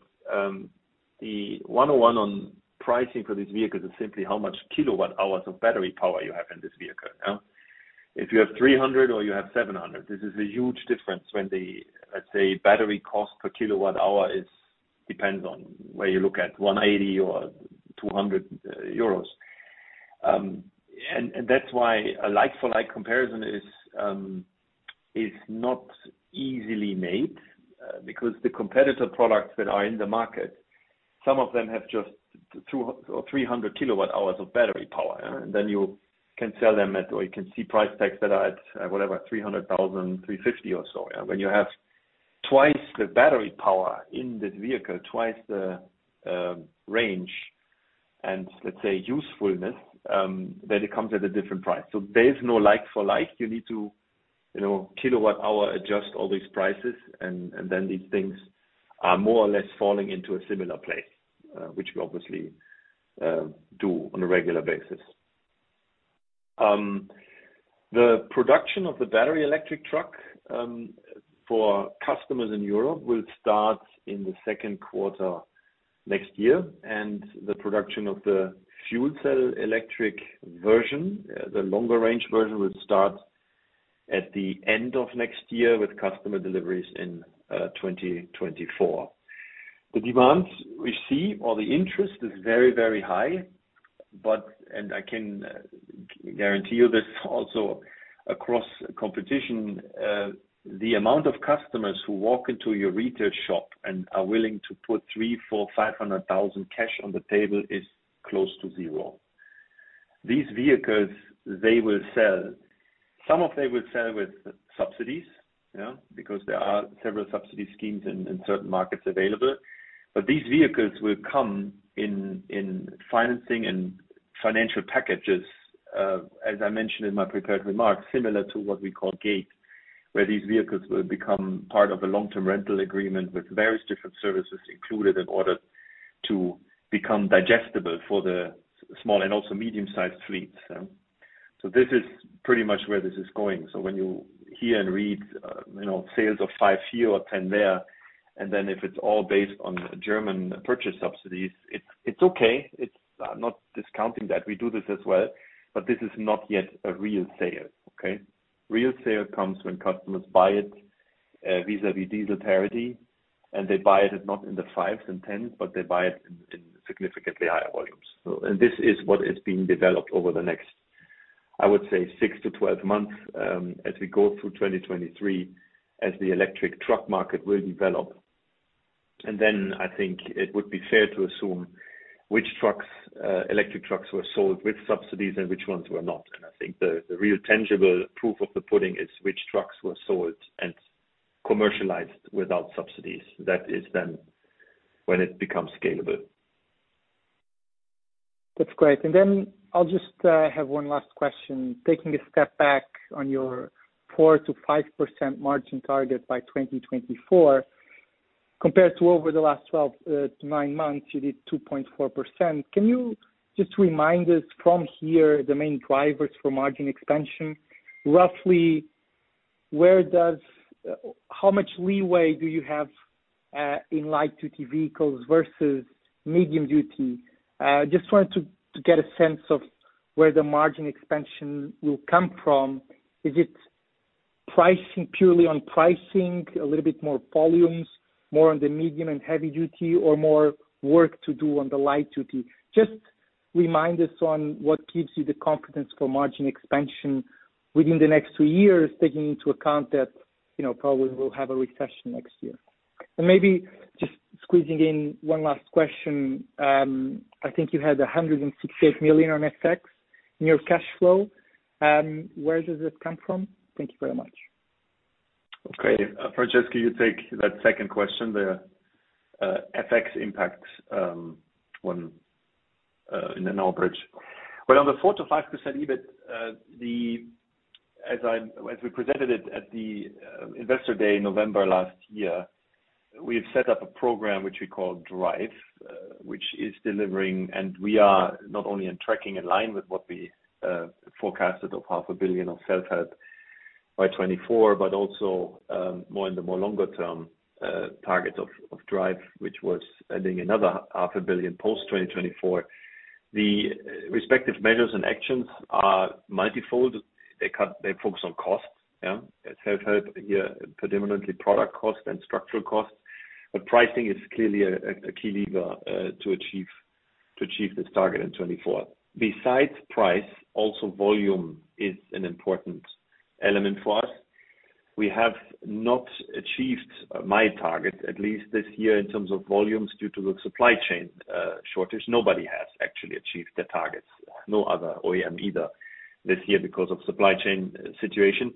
the one-on-one on pricing for these vehicles is simply how much kWh of battery power you have in this vehicle. Now, if you have 300 or you have 700, this is a huge difference when the, let's say, battery cost per kWh depends on where you look at 180 or 200 euros. And that's why a like for like comparison is not easily made, because the competitor products that are in the market, some of them have just 200 kWH or 300 kWh of battery power. Then you can sell them at, or you can see price tags that are at, whatever, 300,000, 350,000 or so. When you have twice the battery power in this vehicle, twice the range and let's say usefulness, then it comes at a different price. There's no like for like. You need to, you know, kilowatt-hour adjust all these prices and then these things are more or less falling into a similar place, which we obviously do on a regular basis. The production of the Battery Electric truck for customers in Europe will start in the second quarter next year, and the production of the Fuel Cell Electric version, the longer-range version, will start at the end of next year with customer deliveries in 2024. The demands we see or the interest is very, very high. I can guarantee you this also across competition, the amount of customers who walk into your retail shop and are willing to put 300,000, 400,000, 500,000 cash on the table is close to zero. These vehicles, they will sell. Some of them will sell with subsidies, you know, because there are several subsidy schemes in certain markets available. These vehicles will come in financing and financial packages, as I mentioned in my prepared remarks, similar to what we call GATE, where these vehicles will become part of a long-term rental agreement with various different services included in order to become digestible for the small and also medium-sized fleets. This is pretty much where this is going. When you hear and read, you know, sales of five here or 10 there, and then if it's all based on German purchase subsidies, it's okay. I'm not discounting that. We do this as well, but this is not yet a real sale. Real sale comes when customers buy it vis-a-vis diesel parity, and they buy it at not in the fives and 10s, but they buy it in significantly higher volumes. This is what is being developed over the next, I would say six to 12 months, as we go through 2023 as the electric truck market will develop. Then I think it would be fair to assume which trucks, electric trucks were sold with subsidies and which ones were not. I think the real tangible proof of the pudding is which trucks were sold and commercialized without subsidies. That is then when it becomes scalable. That's great. I'll just have one last question. Taking a step back on your 4%-5% margin target by 2024, compared to over the last 12 to nine months, you did 2.4%. Can you just remind us from here the main drivers for margin expansion? Roughly, where does, how much leeway do you have in light duty vehicles vs medium duty? Just wanted to get a sense of where the margin expansion will come from, is it pricing, purely on pricing, a little bit more volumes, more on the medium and heavy duty or more work to do on the light duty? Just remind us on what gives you the confidence for margin expansion within the next two years, taking into account that, you know, probably we'll have a recession next year. Maybe just squeezing in one last question. I think you had 168 million on FX in your cash flow. Where does it come from? Thank you very much. Okay. Francesco, you take that second question, the FX impact, when in an average. On the 4%-5% EBIT, as we presented it at the Investor Day in November last year, we've set up a program which we call DRIVE, which is delivering. We are not only tracking in line with what we forecasted of 0.5 billion of self-help by 2024, but also more in the longer term target of DRIVE, which was adding another 0.5 billion post-2024. The respective measures and actions are multifold. They focus on costs. Self-help, predominantly product costs and structural costs. Pricing is clearly a key lever to achieve this target in 2024. Besides price, also volume is an important element for us. We have not achieved my target, at least this year, in terms of volumes due to the supply chain shortage. Nobody has actually achieved their targets, no other OEM either this year because of supply chain situation.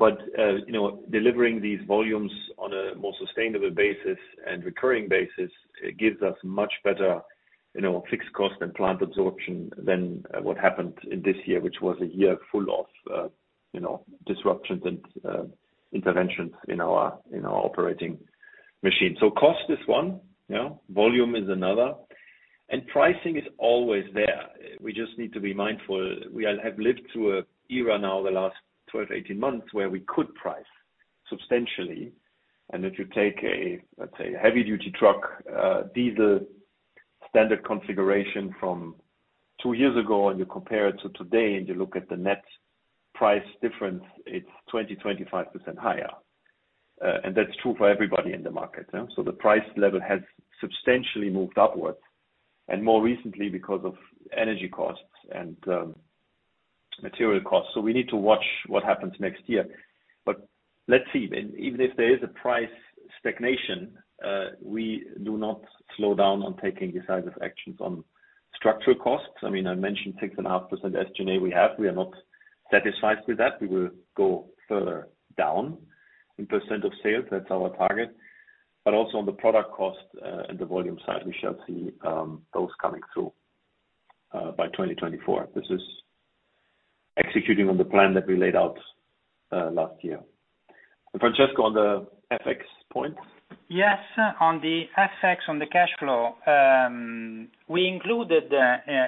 You know, delivering these volumes on a more sustainable basis and recurring basis, it gives us much better, you know, fixed cost and plant absorption than what happened in this year, which was a year full of, you know, disruptions and interventions in our operating machine. Cost is one, yeah. Volume is another, and pricing is always there. We just need to be mindful. We all have lived through an era now, the last 12, 18 months, where we could price substantially. If you take a, let's say, heavy duty truck, diesel standard configuration from two years ago and you compare it to today and you look at the net price difference, it's 20%-25% higher. That's true for everybody in the market, yeah. The price level has substantially moved upwards, and more recently because of energy costs and material costs. We need to watch what happens next year. Let's see. Even if there is a price stagnation, we do not slow down on taking decisive actions on structural costs. I mean, I mentioned 6.5% SG&A we have. We are not satisfied with that. We will go further down in % of sales. That's our target. Also on the product cost, and the volume side, we shall see those coming through by 2024. This is executing on the plan that we laid out last year. Francesco, on the FX point. Yes, on the FX, on the cash flow, we included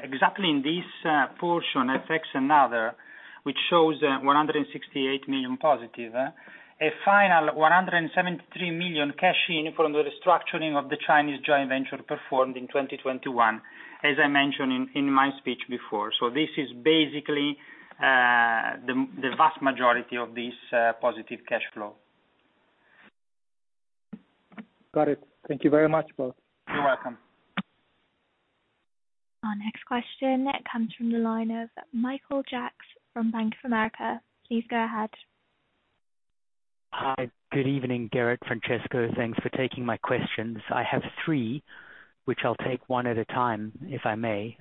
exactly in this portion, FX and other, which shows a 168 million+, a final 173 million cash in from the restructuring of the Chinese joint venture performed in 2021, as I mentioned in my speech before. This is basically the vast majority of this positive cash flow. Got it. Thank you very much, both. You're welcome. Our next question comes from the line of Michael Jacks from Bank of America. Please go ahead. Hi. Good evening, Gerrit, Francesco. Thanks for taking my questions. I have three, which I'll take one at a time, if I may.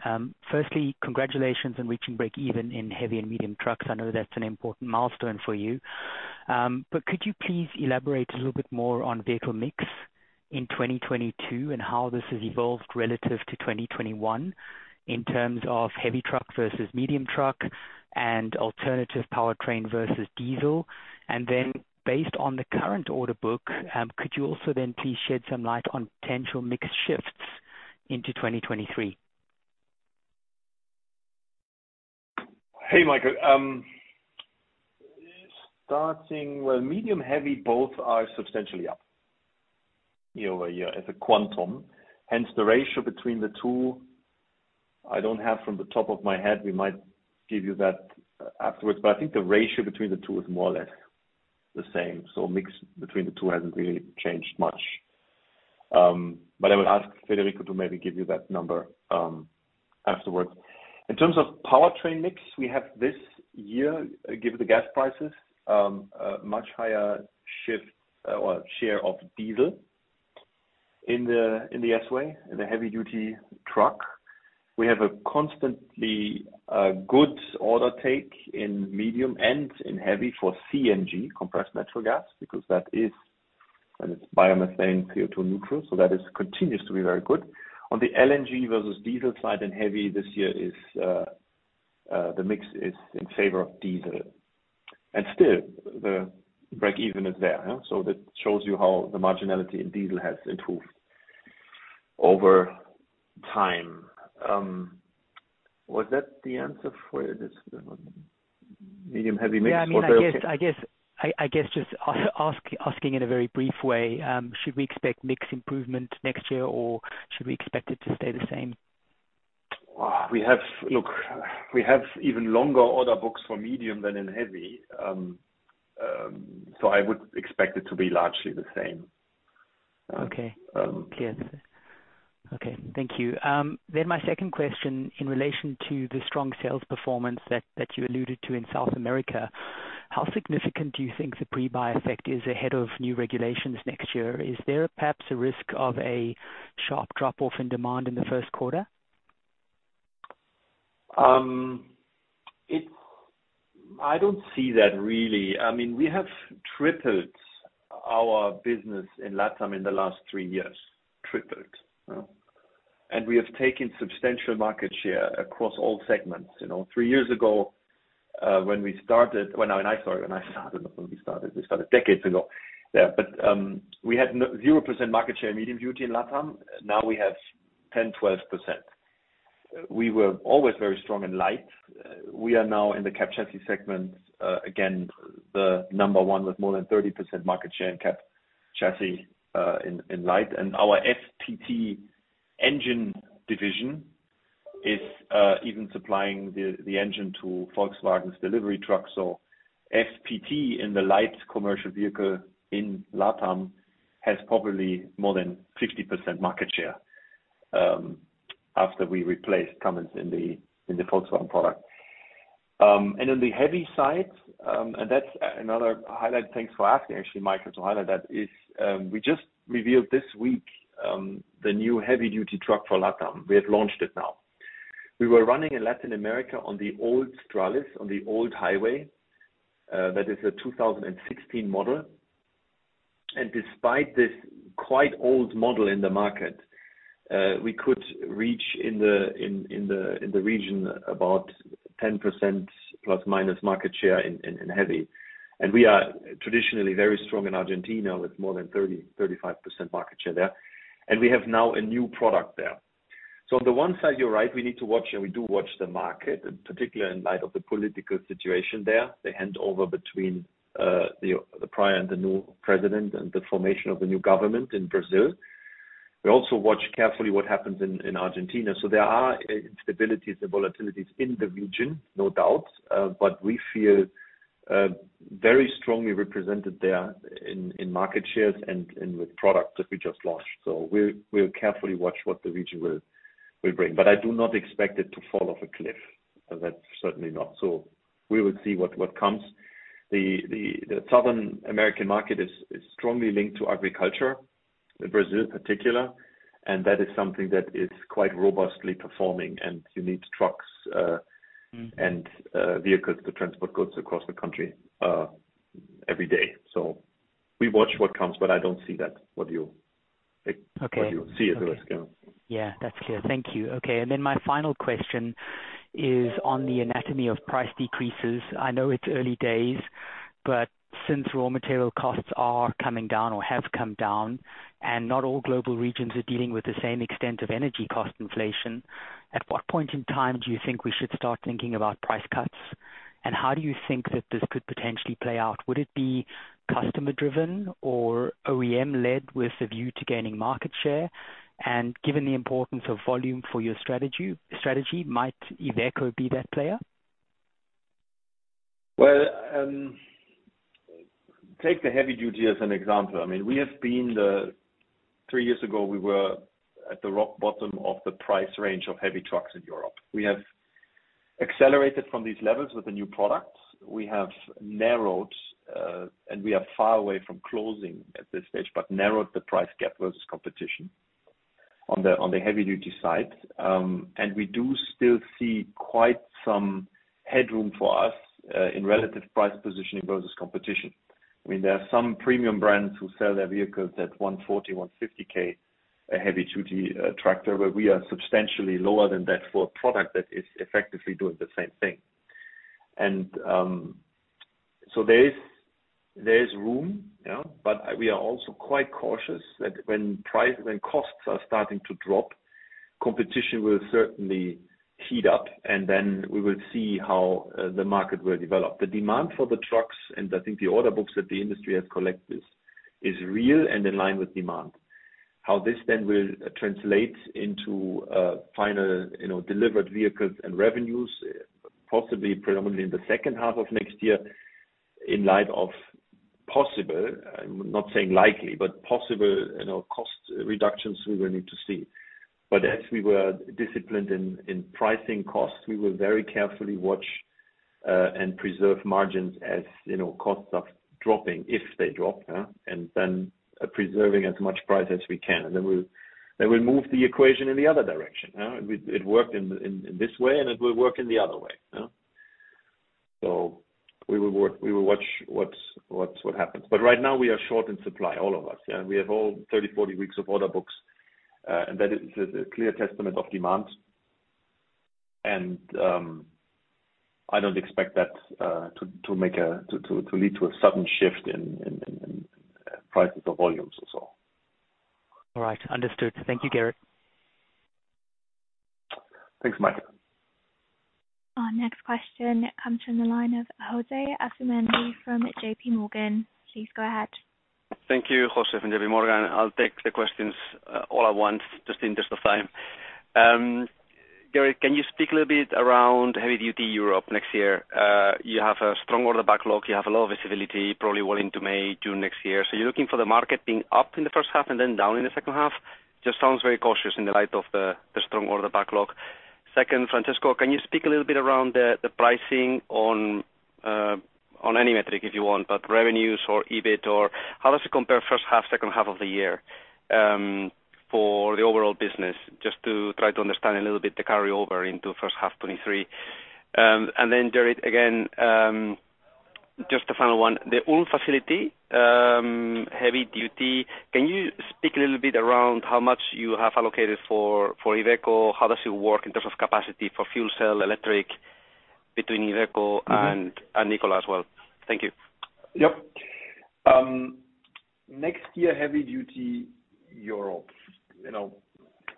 Firstly, congratulations on reaching break even in heavy and medium trucks. I know that's an important milestone for you. But could you please elaborate a little bit more on vehicle mix in 2022 and how this has evolved relative to 2021 in terms of heavy truck vs medium truck and alternative powertrain vs diesel? Based on the current order book, could you also then please shed some light on potential mix shifts into 2023? Hey, Michael. Starting with medium, heavy, both are substantially up year-over-year as a quantum. Hence, the ratio between the two I don't have from the top of my head. We might give you that afterwards, but I think the ratio between the two is more or less the same. Mix between the two hasn't really changed much. But I will ask Federico to maybe give you that number, afterwards. In terms of powertrain mix, we have this year, given the gas prices, a much higher shift or share of diesel in the S-Way, in the heavy duty truck. We have a constantly good order intake in medium and in heavy for CNG, compressed natural gas, because that is biomethane, CO2 neutral, so that continues to be very good. On the LNG vs diesel side and heavy this year is the mix in favor of diesel. Still the breakeven is there, yeah. That shows you how the marginality in diesel has improved over time. Was that the answer for this? Yeah, I mean, I guess just asking in a very brief way, should we expect mix improvement next year, or should we expect it to stay the same? Look, we have even longer order books for medium than in heavy. I would expect it to be largely the same. Okay. Um. Clear. Okay. Thank you. My second question, in relation to the strong sales performance that you alluded to in South America, how significant do you think the pre-buy effect is ahead of new regulations next year? Is there perhaps a risk of a sharp drop-off in demand in the first quarter? I don't see that really. I mean, we have tripled our business in LatAm in the last three years. Tripled, you know. We have taken substantial market share across all segments. You know, three years ago, when I started, not when we started. We started decades ago. We had 0% market share in medium duty in LatAm. Now we have 10%-12%. We were always very strong in light. We are now in the cab chassis segment again, the number one with more than 30% market share in cab chassis in light. Our FPT engine division is even supplying the engine to Volkswagen's delivery truck. FPT in the Light Commercial Vehicle in LatAm has probably more than 50% market share, after we replaced Cummins in the Volkswagen product. On the heavy side, that's another highlight. Thanks for asking, actually, Michael. To highlight that is, we just revealed this week the new heavy-duty truck for LatAm. We have launched it now. We were running in Latin America on the old Stralis, on the old Hi-Way. That is a 2016 model. Despite this quite old model in the market, we could reach in the region about 10% ± market share in heavy. We are traditionally very strong in Argentina, with more than 30%-35% market share there. We have now a new product there. On the one side, you're right, we need to watch and we do watch the market, and particularly in light of the political situation there, the handover between the prior and the new president and the formation of the new government in Brazil. We also watch carefully what happens in Argentina. There are instabilities and volatilities in the region, no doubt. We feel very strongly represented there in market shares and with products that we just launched. We'll carefully watch what the region will bring. I do not expect it to fall off a cliff. That's certainly not so. We will see what comes. The South American market is strongly linked to agriculture, in Brazil in particular, and that is something that is quite robustly performing. You need trucks. Mm. Vehicles to transport goods across the country every day. We watch what comes, but I don't see that what you- Okay. What you see as a risk? Yeah. That's clear. Thank you. Okay. My final question is on the anatomy of price decreases. I know it's early days, but since raw material costs are coming down or have come down, and not all global regions are dealing with the same extent of energy cost inflation, at what point in time do you think we should start thinking about price cuts? And how do you think that this could potentially play out? Would it be customer-driven or OEM-led with a view to gaining market share? And given the importance of volume for your strategy, might Iveco be that player? Well, take the heavy duty as an example. I mean, three years ago, we were at the rock bottom of the price range of heavy trucks in Europe. We have accelerated from these levels with the new products. We have narrowed and we are far away from closing at this stage, but narrowed the price gap vs competition on the heavy duty side. We do still see quite some headroom for us in relative price positioning vs competition. I mean, there are some premium brands who sell their vehicles at 140,000, 150,000, a heavy duty tractor, where we are substantially lower than that for a product that is effectively doing the same thing. There is room. We are also quite cautious that when costs are starting to drop, competition will certainly heat up, and then we will see how the market will develop. The demand for the trucks, and I think the order books that the industry has collected, is real and in line with demand. How this then will translate into final, you know, delivered vehicles and revenues, possibly predominantly in the second half of next year, in light of possible, I'm not saying likely, but possible, you know, cost reductions we will need to see. As we were disciplined in pricing costs, we will very carefully watch and preserve margins as, you know, costs are dropping, if they drop, yeah, and then preserving as much price as we can. Then we'll move the equation in the other direction, yeah. It worked in this way, and it will work in the other way, yeah. We will watch what happens. Right now we are short in supply, all of us, yeah. We have all 30, 40 weeks of order books, and that is a clear testament of demand. I don't expect that to lead to a sudden shift in prices or volumes also. All right. Understood. Thank you, Gerrit. Thanks, Mike. Our next question comes from the line of José Asumendi from JPMorgan. Please go ahead. Thank you. José from JP Morgan. I'll take the questions all at once, just in terms of time. Gerrit, can you speak a little bit around heavy duty Europe next year? You have a strong order backlog. You have a lot of visibility probably well into May, June next year. So you're looking for the market being up in the first half and then down in the second half? Just sounds very cautious in the light of the strong order backlog. Second, Francesco, can you speak a little bit around the pricing on any metric if you want, but revenues or EBIT, or how does it compare first half, second half of the year, for the overall business, just to try to understand a little bit the carryover into first half 2023. Gerrit, again, just a final one. The Ulm facility, heavy duty. Can you speak a little bit around how much you have allocated for Iveco? How does it work in terms of capacity for fuel cell, electric between IVECO and Nikola as well? Thank you. Yep. Next year, heavy duty Europe. You know,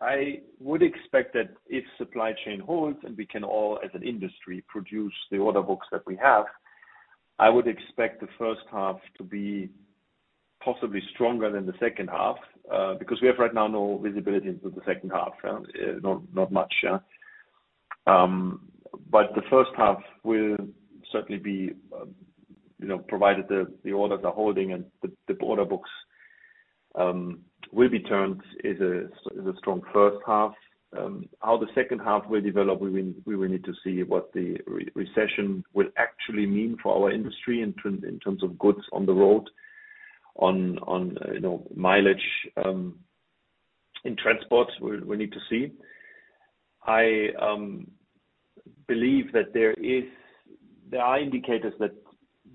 I would expect that if supply chain holds and we can all as an industry produce the order books that we have, I would expect the first half to be possibly stronger than the second half, because we have right now no visibility into the second half. Not much, yeah. But the first half will certainly be, you know, provided the orders are holding and the order books will be turned, is a strong first half. How the second half will develop, we will need to see what the recession will actually mean for our industry in terms of goods on the road, on, you know, mileage, in transports. We need to see. I believe that there is. There are indicators that,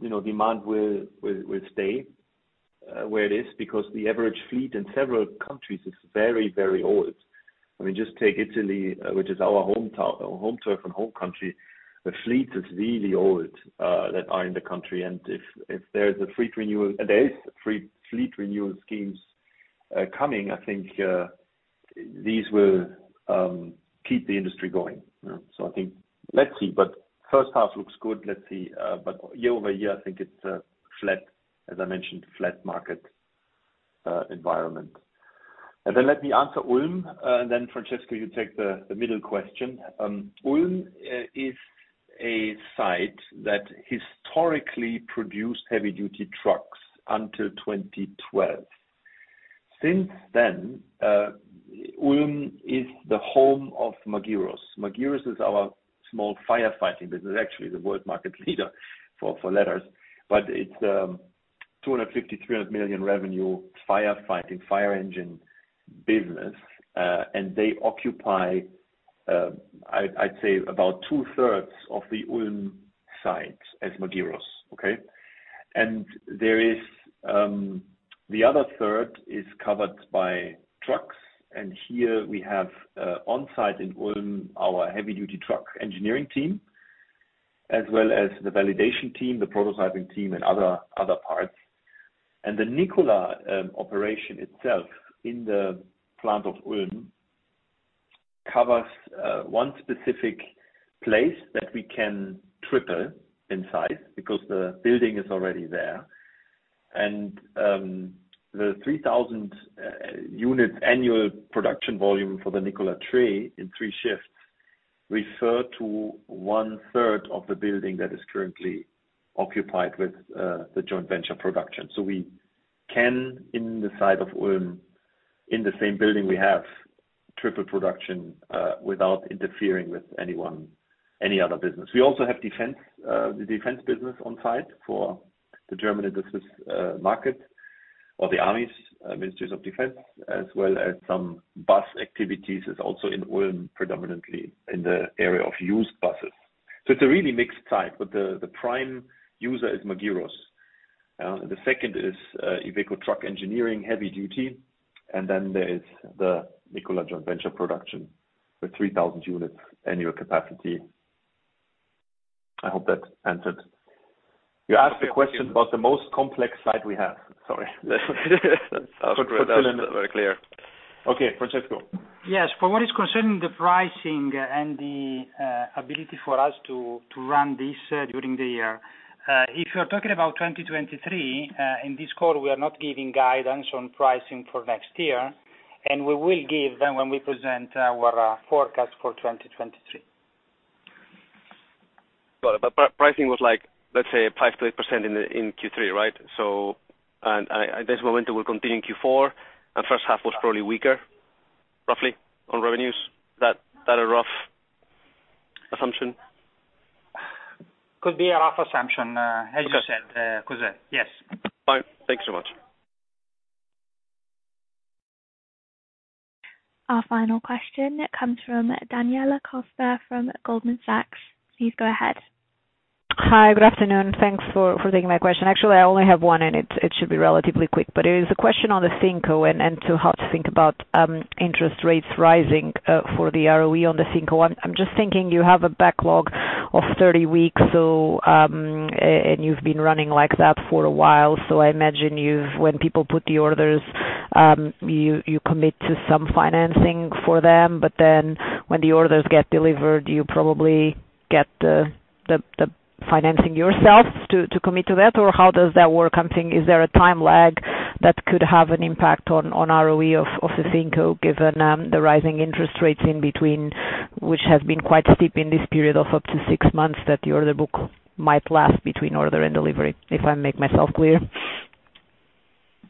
you know, demand will stay where it is because the average fleet in several countries is very, very old. I mean, just take Italy, which is our hometown or home turf and home country. The fleet is really old that are in the country. If there's a fleet renewal. There is fleet renewal schemes coming. I think these will keep the industry going. I think let's see. First half looks good. Let's see. Year-over-year, I think it's flat. As I mentioned, flat market environment. Let me answer Ulm, and then Francesco, you take the middle question. Ulm is a site that historically produced heavy-duty trucks until 2012. Since then, Ulm is the home of Magirus. Magirus is our small firefighting business, actually the world market leader for ladders. It's 250-300 million revenue firefighting, fire engine business. They occupy, I'd say about two-thirds of the Ulm site as Magirus. Okay. The other third is covered by trucks. Here we have on-site in Ulm, our heavy duty truck engineering team, as well as the validation team, the prototyping team and other parts. The Nikola operation itself in the plant of Ulm covers one specific place that we can triple in size because the building is already there. The 3,000-unit annual production volume for the Nikola Tre in three shifts refer to 1/3 of the building that is currently occupied with the joint venture production. We can, in the site of Ulm, in the same building we have, triple production, without interfering with anyone, any other business. We also have defense, the defense business on site for the German industry, market or the armies, ministries of defense, as well as some bus activities is also in Ulm, predominantly in the area of used buses. It's a really mixed site, but the prime user is Magirus. The second is, IVECO truck engineering heavy duty, and then there is the Nikola joint venture production with 3,000 units annual capacity. I hope that answered. You asked a question about the most complex site we have. Sorry. That's very clear. Okay. Francesco. Yes. For what concerns the pricing and the ability for us to run this during the year, if you're talking about 2023, in this call, we are not giving guidance on pricing for next year, and we will give them when we present our forecast for 2023. Pricing was like, let's say 5%-8% in Q3, right? I guess momentum will continue in Q4, and first half was probably weaker, roughly, on revenues. Is that a rough assumption? Could be a rough assumption, as you said, José. Yes. Fine. Thank you so much. Our final question comes from Daniela Costa from Goldman Sachs. Please go ahead. Hi. Good afternoon. Thanks for taking my question. Actually, I only have one, and it should be relatively quick, but it is a question on the Finco and to how to think about interest rates rising for the ROE on the Finco. I'm just thinking you have a backlog of 30 weeks, so, and you've been running like that for a while. So I imagine when people put the orders, you commit to some financing for them, but then when the orders get delivered, you probably get the financing yourself to commit to that? Or how does that work? I'm thinking, is there a time lag that could have an impact on ROE of the Finco given the rising interest rates in between, which has been quite steep in this period of up to six months, that the order book might last between order and delivery? If I make myself clear.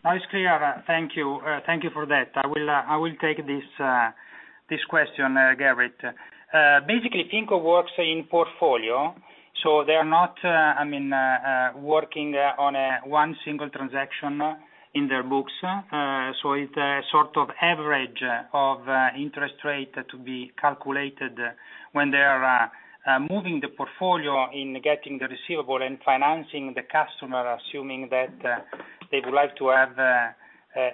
No, it's clear. Thank you. Thank you for that. I will take this question, Gerrit. Basically, Finco works in portfolio, so they are not, I mean, working on one single transaction in their books. It's a sort of average of interest rate to be calculated when they are moving the portfolio in getting the receivable and financing the customer, assuming that they would like to have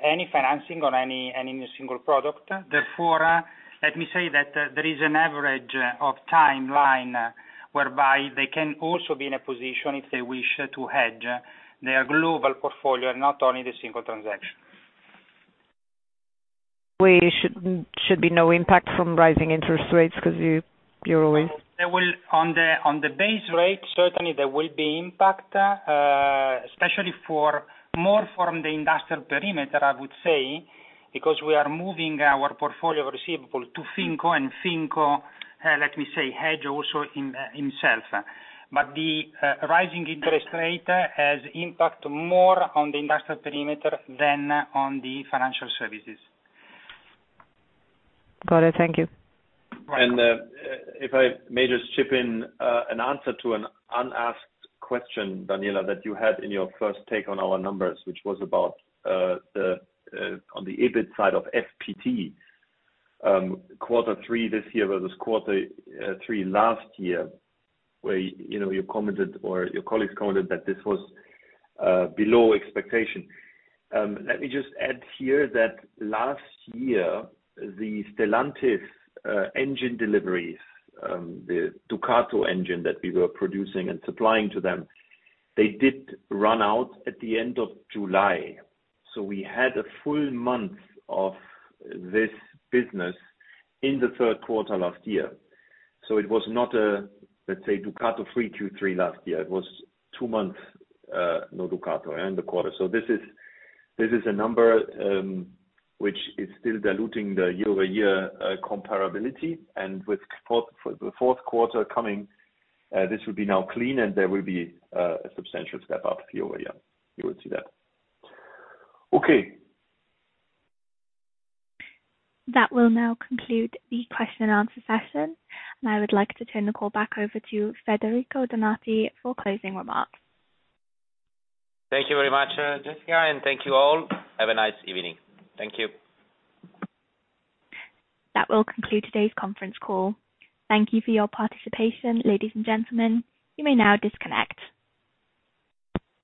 any financing on any new single product. Therefore, let me say that there is an average of timeline whereby they can also be in a position if they wish to hedge their global portfolio, not only the single transaction. Should be no impact from rising interest rates because you're always. On the base rate, certainly there will be impact, especially more from the industrial perimeter, I would say, because we are moving our receivables portfolio to Finco and Finco, let me say, hedges also in itself. The rising interest rate has more impact on the industrial perimeter than on the financial services. Got it. Thank you. Right. If I may just chip in an answer to an unasked question, Daniela, that you had in your first take on our numbers, which was about the EBIT side of FPT. Quarter three this year vs quarter three last year, where you know you commented or your colleagues commented that this was below expectation. Let me just add here that last year the Stellantis engine deliveries, the Ducato engine that we were producing and supplying to them, they did run out at the end of July. We had a full month of this business in the third quarter last year. It was not a, let's say, Ducato-free Q3 last year. It was two months no Ducato and the quarter. This is a number, which is still diluting the year-over-year comparability. With the fourth quarter coming, this will be now clean and there will be a substantial step up year-over-year. You will see that. Okay. That will now conclude the question and answer session. I would like to turn the call back over to Federico Donati for closing remarks. Thank you very much, Jessica, and thank you all. Have a nice evening. Thank you. That will conclude today's conference call. Thank you for your participation, ladies and gentlemen. You may now disconnect.